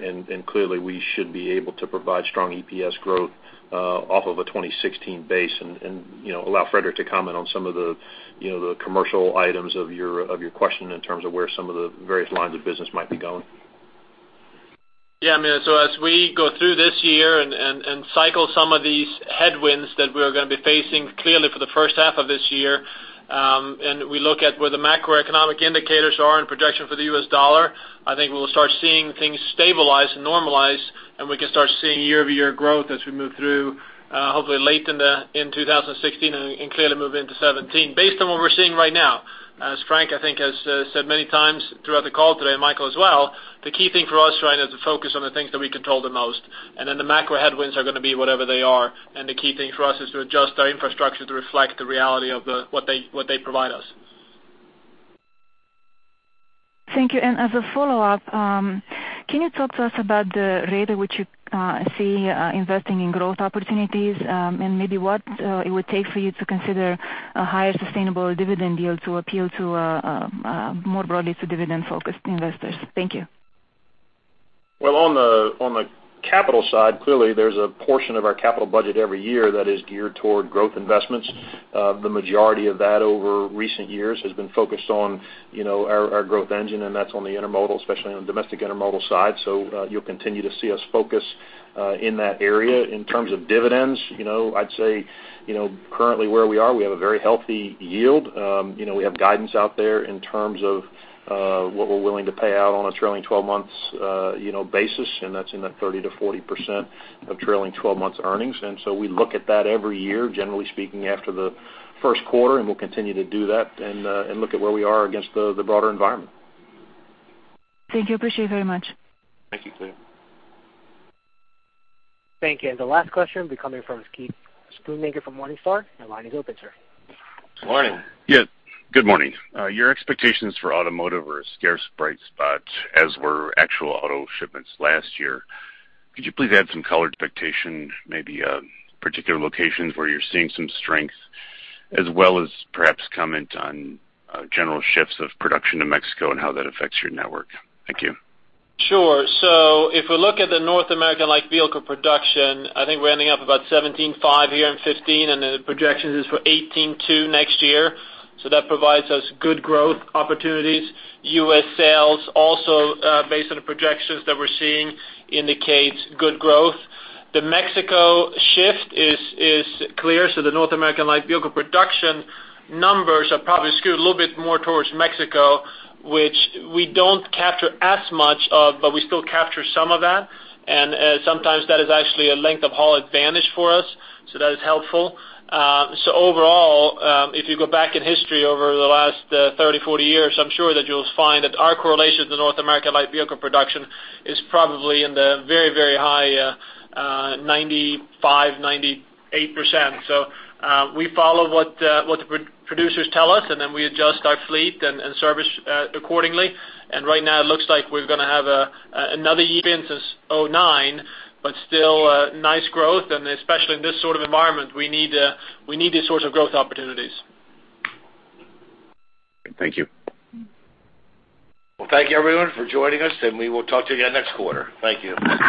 [SPEAKER 4] Clearly, we should be able to provide strong EPS growth off of a 2016 base and allow Frederick to comment on some of the commercial items of your question in terms of where some of the various lines of business might be going.
[SPEAKER 6] Yeah. I mean, so as we go through this year and cycle some of these headwinds that we're going to be facing clearly for the first half of this year, and we look at where the macroeconomic indicators are in projection for the U.S. dollar, I think we'll start seeing things stabilize and normalize. And we can start seeing year-over-year growth as we move through, hopefully, late in 2016 and clearly move into 2017 based on what we're seeing right now. As Frank, I think, has said many times throughout the call today and Michael as well, the key thing for us right now is to focus on the things that we control the most. And then the macro headwinds are going to be whatever they are. And the key thing for us is to adjust our infrastructure to reflect the reality of what they provide us.
[SPEAKER 23] Thank you. As a follow-up, can you talk to us about the rate at which you see investing in growth opportunities and maybe what it would take for you to consider a higher sustainable dividend yield to appeal more broadly to dividend-focused investors? Thank you.
[SPEAKER 4] Well, on the capital side, clearly, there's a portion of our capital budget every year that is geared toward growth investments. The majority of that over recent years has been focused on our growth engine. And that's on the domestic intermodal side. So you'll continue to see us focus in that area. In terms of dividends, I'd say currently where we are, we have a very healthy yield. We have guidance out there in terms of what we're willing to pay out on a trailing 12-month basis. And that's in that 30%-40% of trailing 12-month earnings. And so we look at that every year, generally speaking, after the first quarter. And we'll continue to do that and look at where we are against the broader environment.
[SPEAKER 23] Thank you. I appreciate it very much.
[SPEAKER 3] Thank you, Cleo.
[SPEAKER 1] Thank you. And the last question will be coming from Keith Schoonmaker from Morningstar. Your line is open, sir.
[SPEAKER 3] Morning.
[SPEAKER 24] Yeah. Good morning. Your expectations for automotive are a scarce, bright spot as were actual auto shipments last year. Could you please add some color? Expectation, maybe particular locations where you're seeing some strength as well as perhaps comment on general shifts of production to Mexico and how that affects your network? Thank you.
[SPEAKER 6] Sure. So if we look at the North American vehicle production, I think we're ending up about 17.5 million here in 2015. And the projections are for 18.2 million next year. So that provides us good growth opportunities. U.S. sales, also based on the projections that we're seeing, indicates good growth. The Mexico shift is clear. So the North American vehicle production numbers are probably skewed a little bit more towards Mexico, which we don't capture as much of, but we still capture some of that. And sometimes that is actually a length-of-haul advantage for us. So that is helpful. So overall, if you go back in history over the last 30, 40 years, I'm sure that you'll find that our correlation with the North American vehicle production is probably in the very, very high 95%-98%. So we follow what the producers tell us. And then we adjust our fleet and service accordingly. And right now, it looks like we're going to have another boom since 2009, but still nice growth. And especially in this sort of environment, we need these sorts of growth opportunities.
[SPEAKER 24] Thank you.
[SPEAKER 3] Well, thank you, everyone, for joining us. We will talk to you again next quarter. Thank you.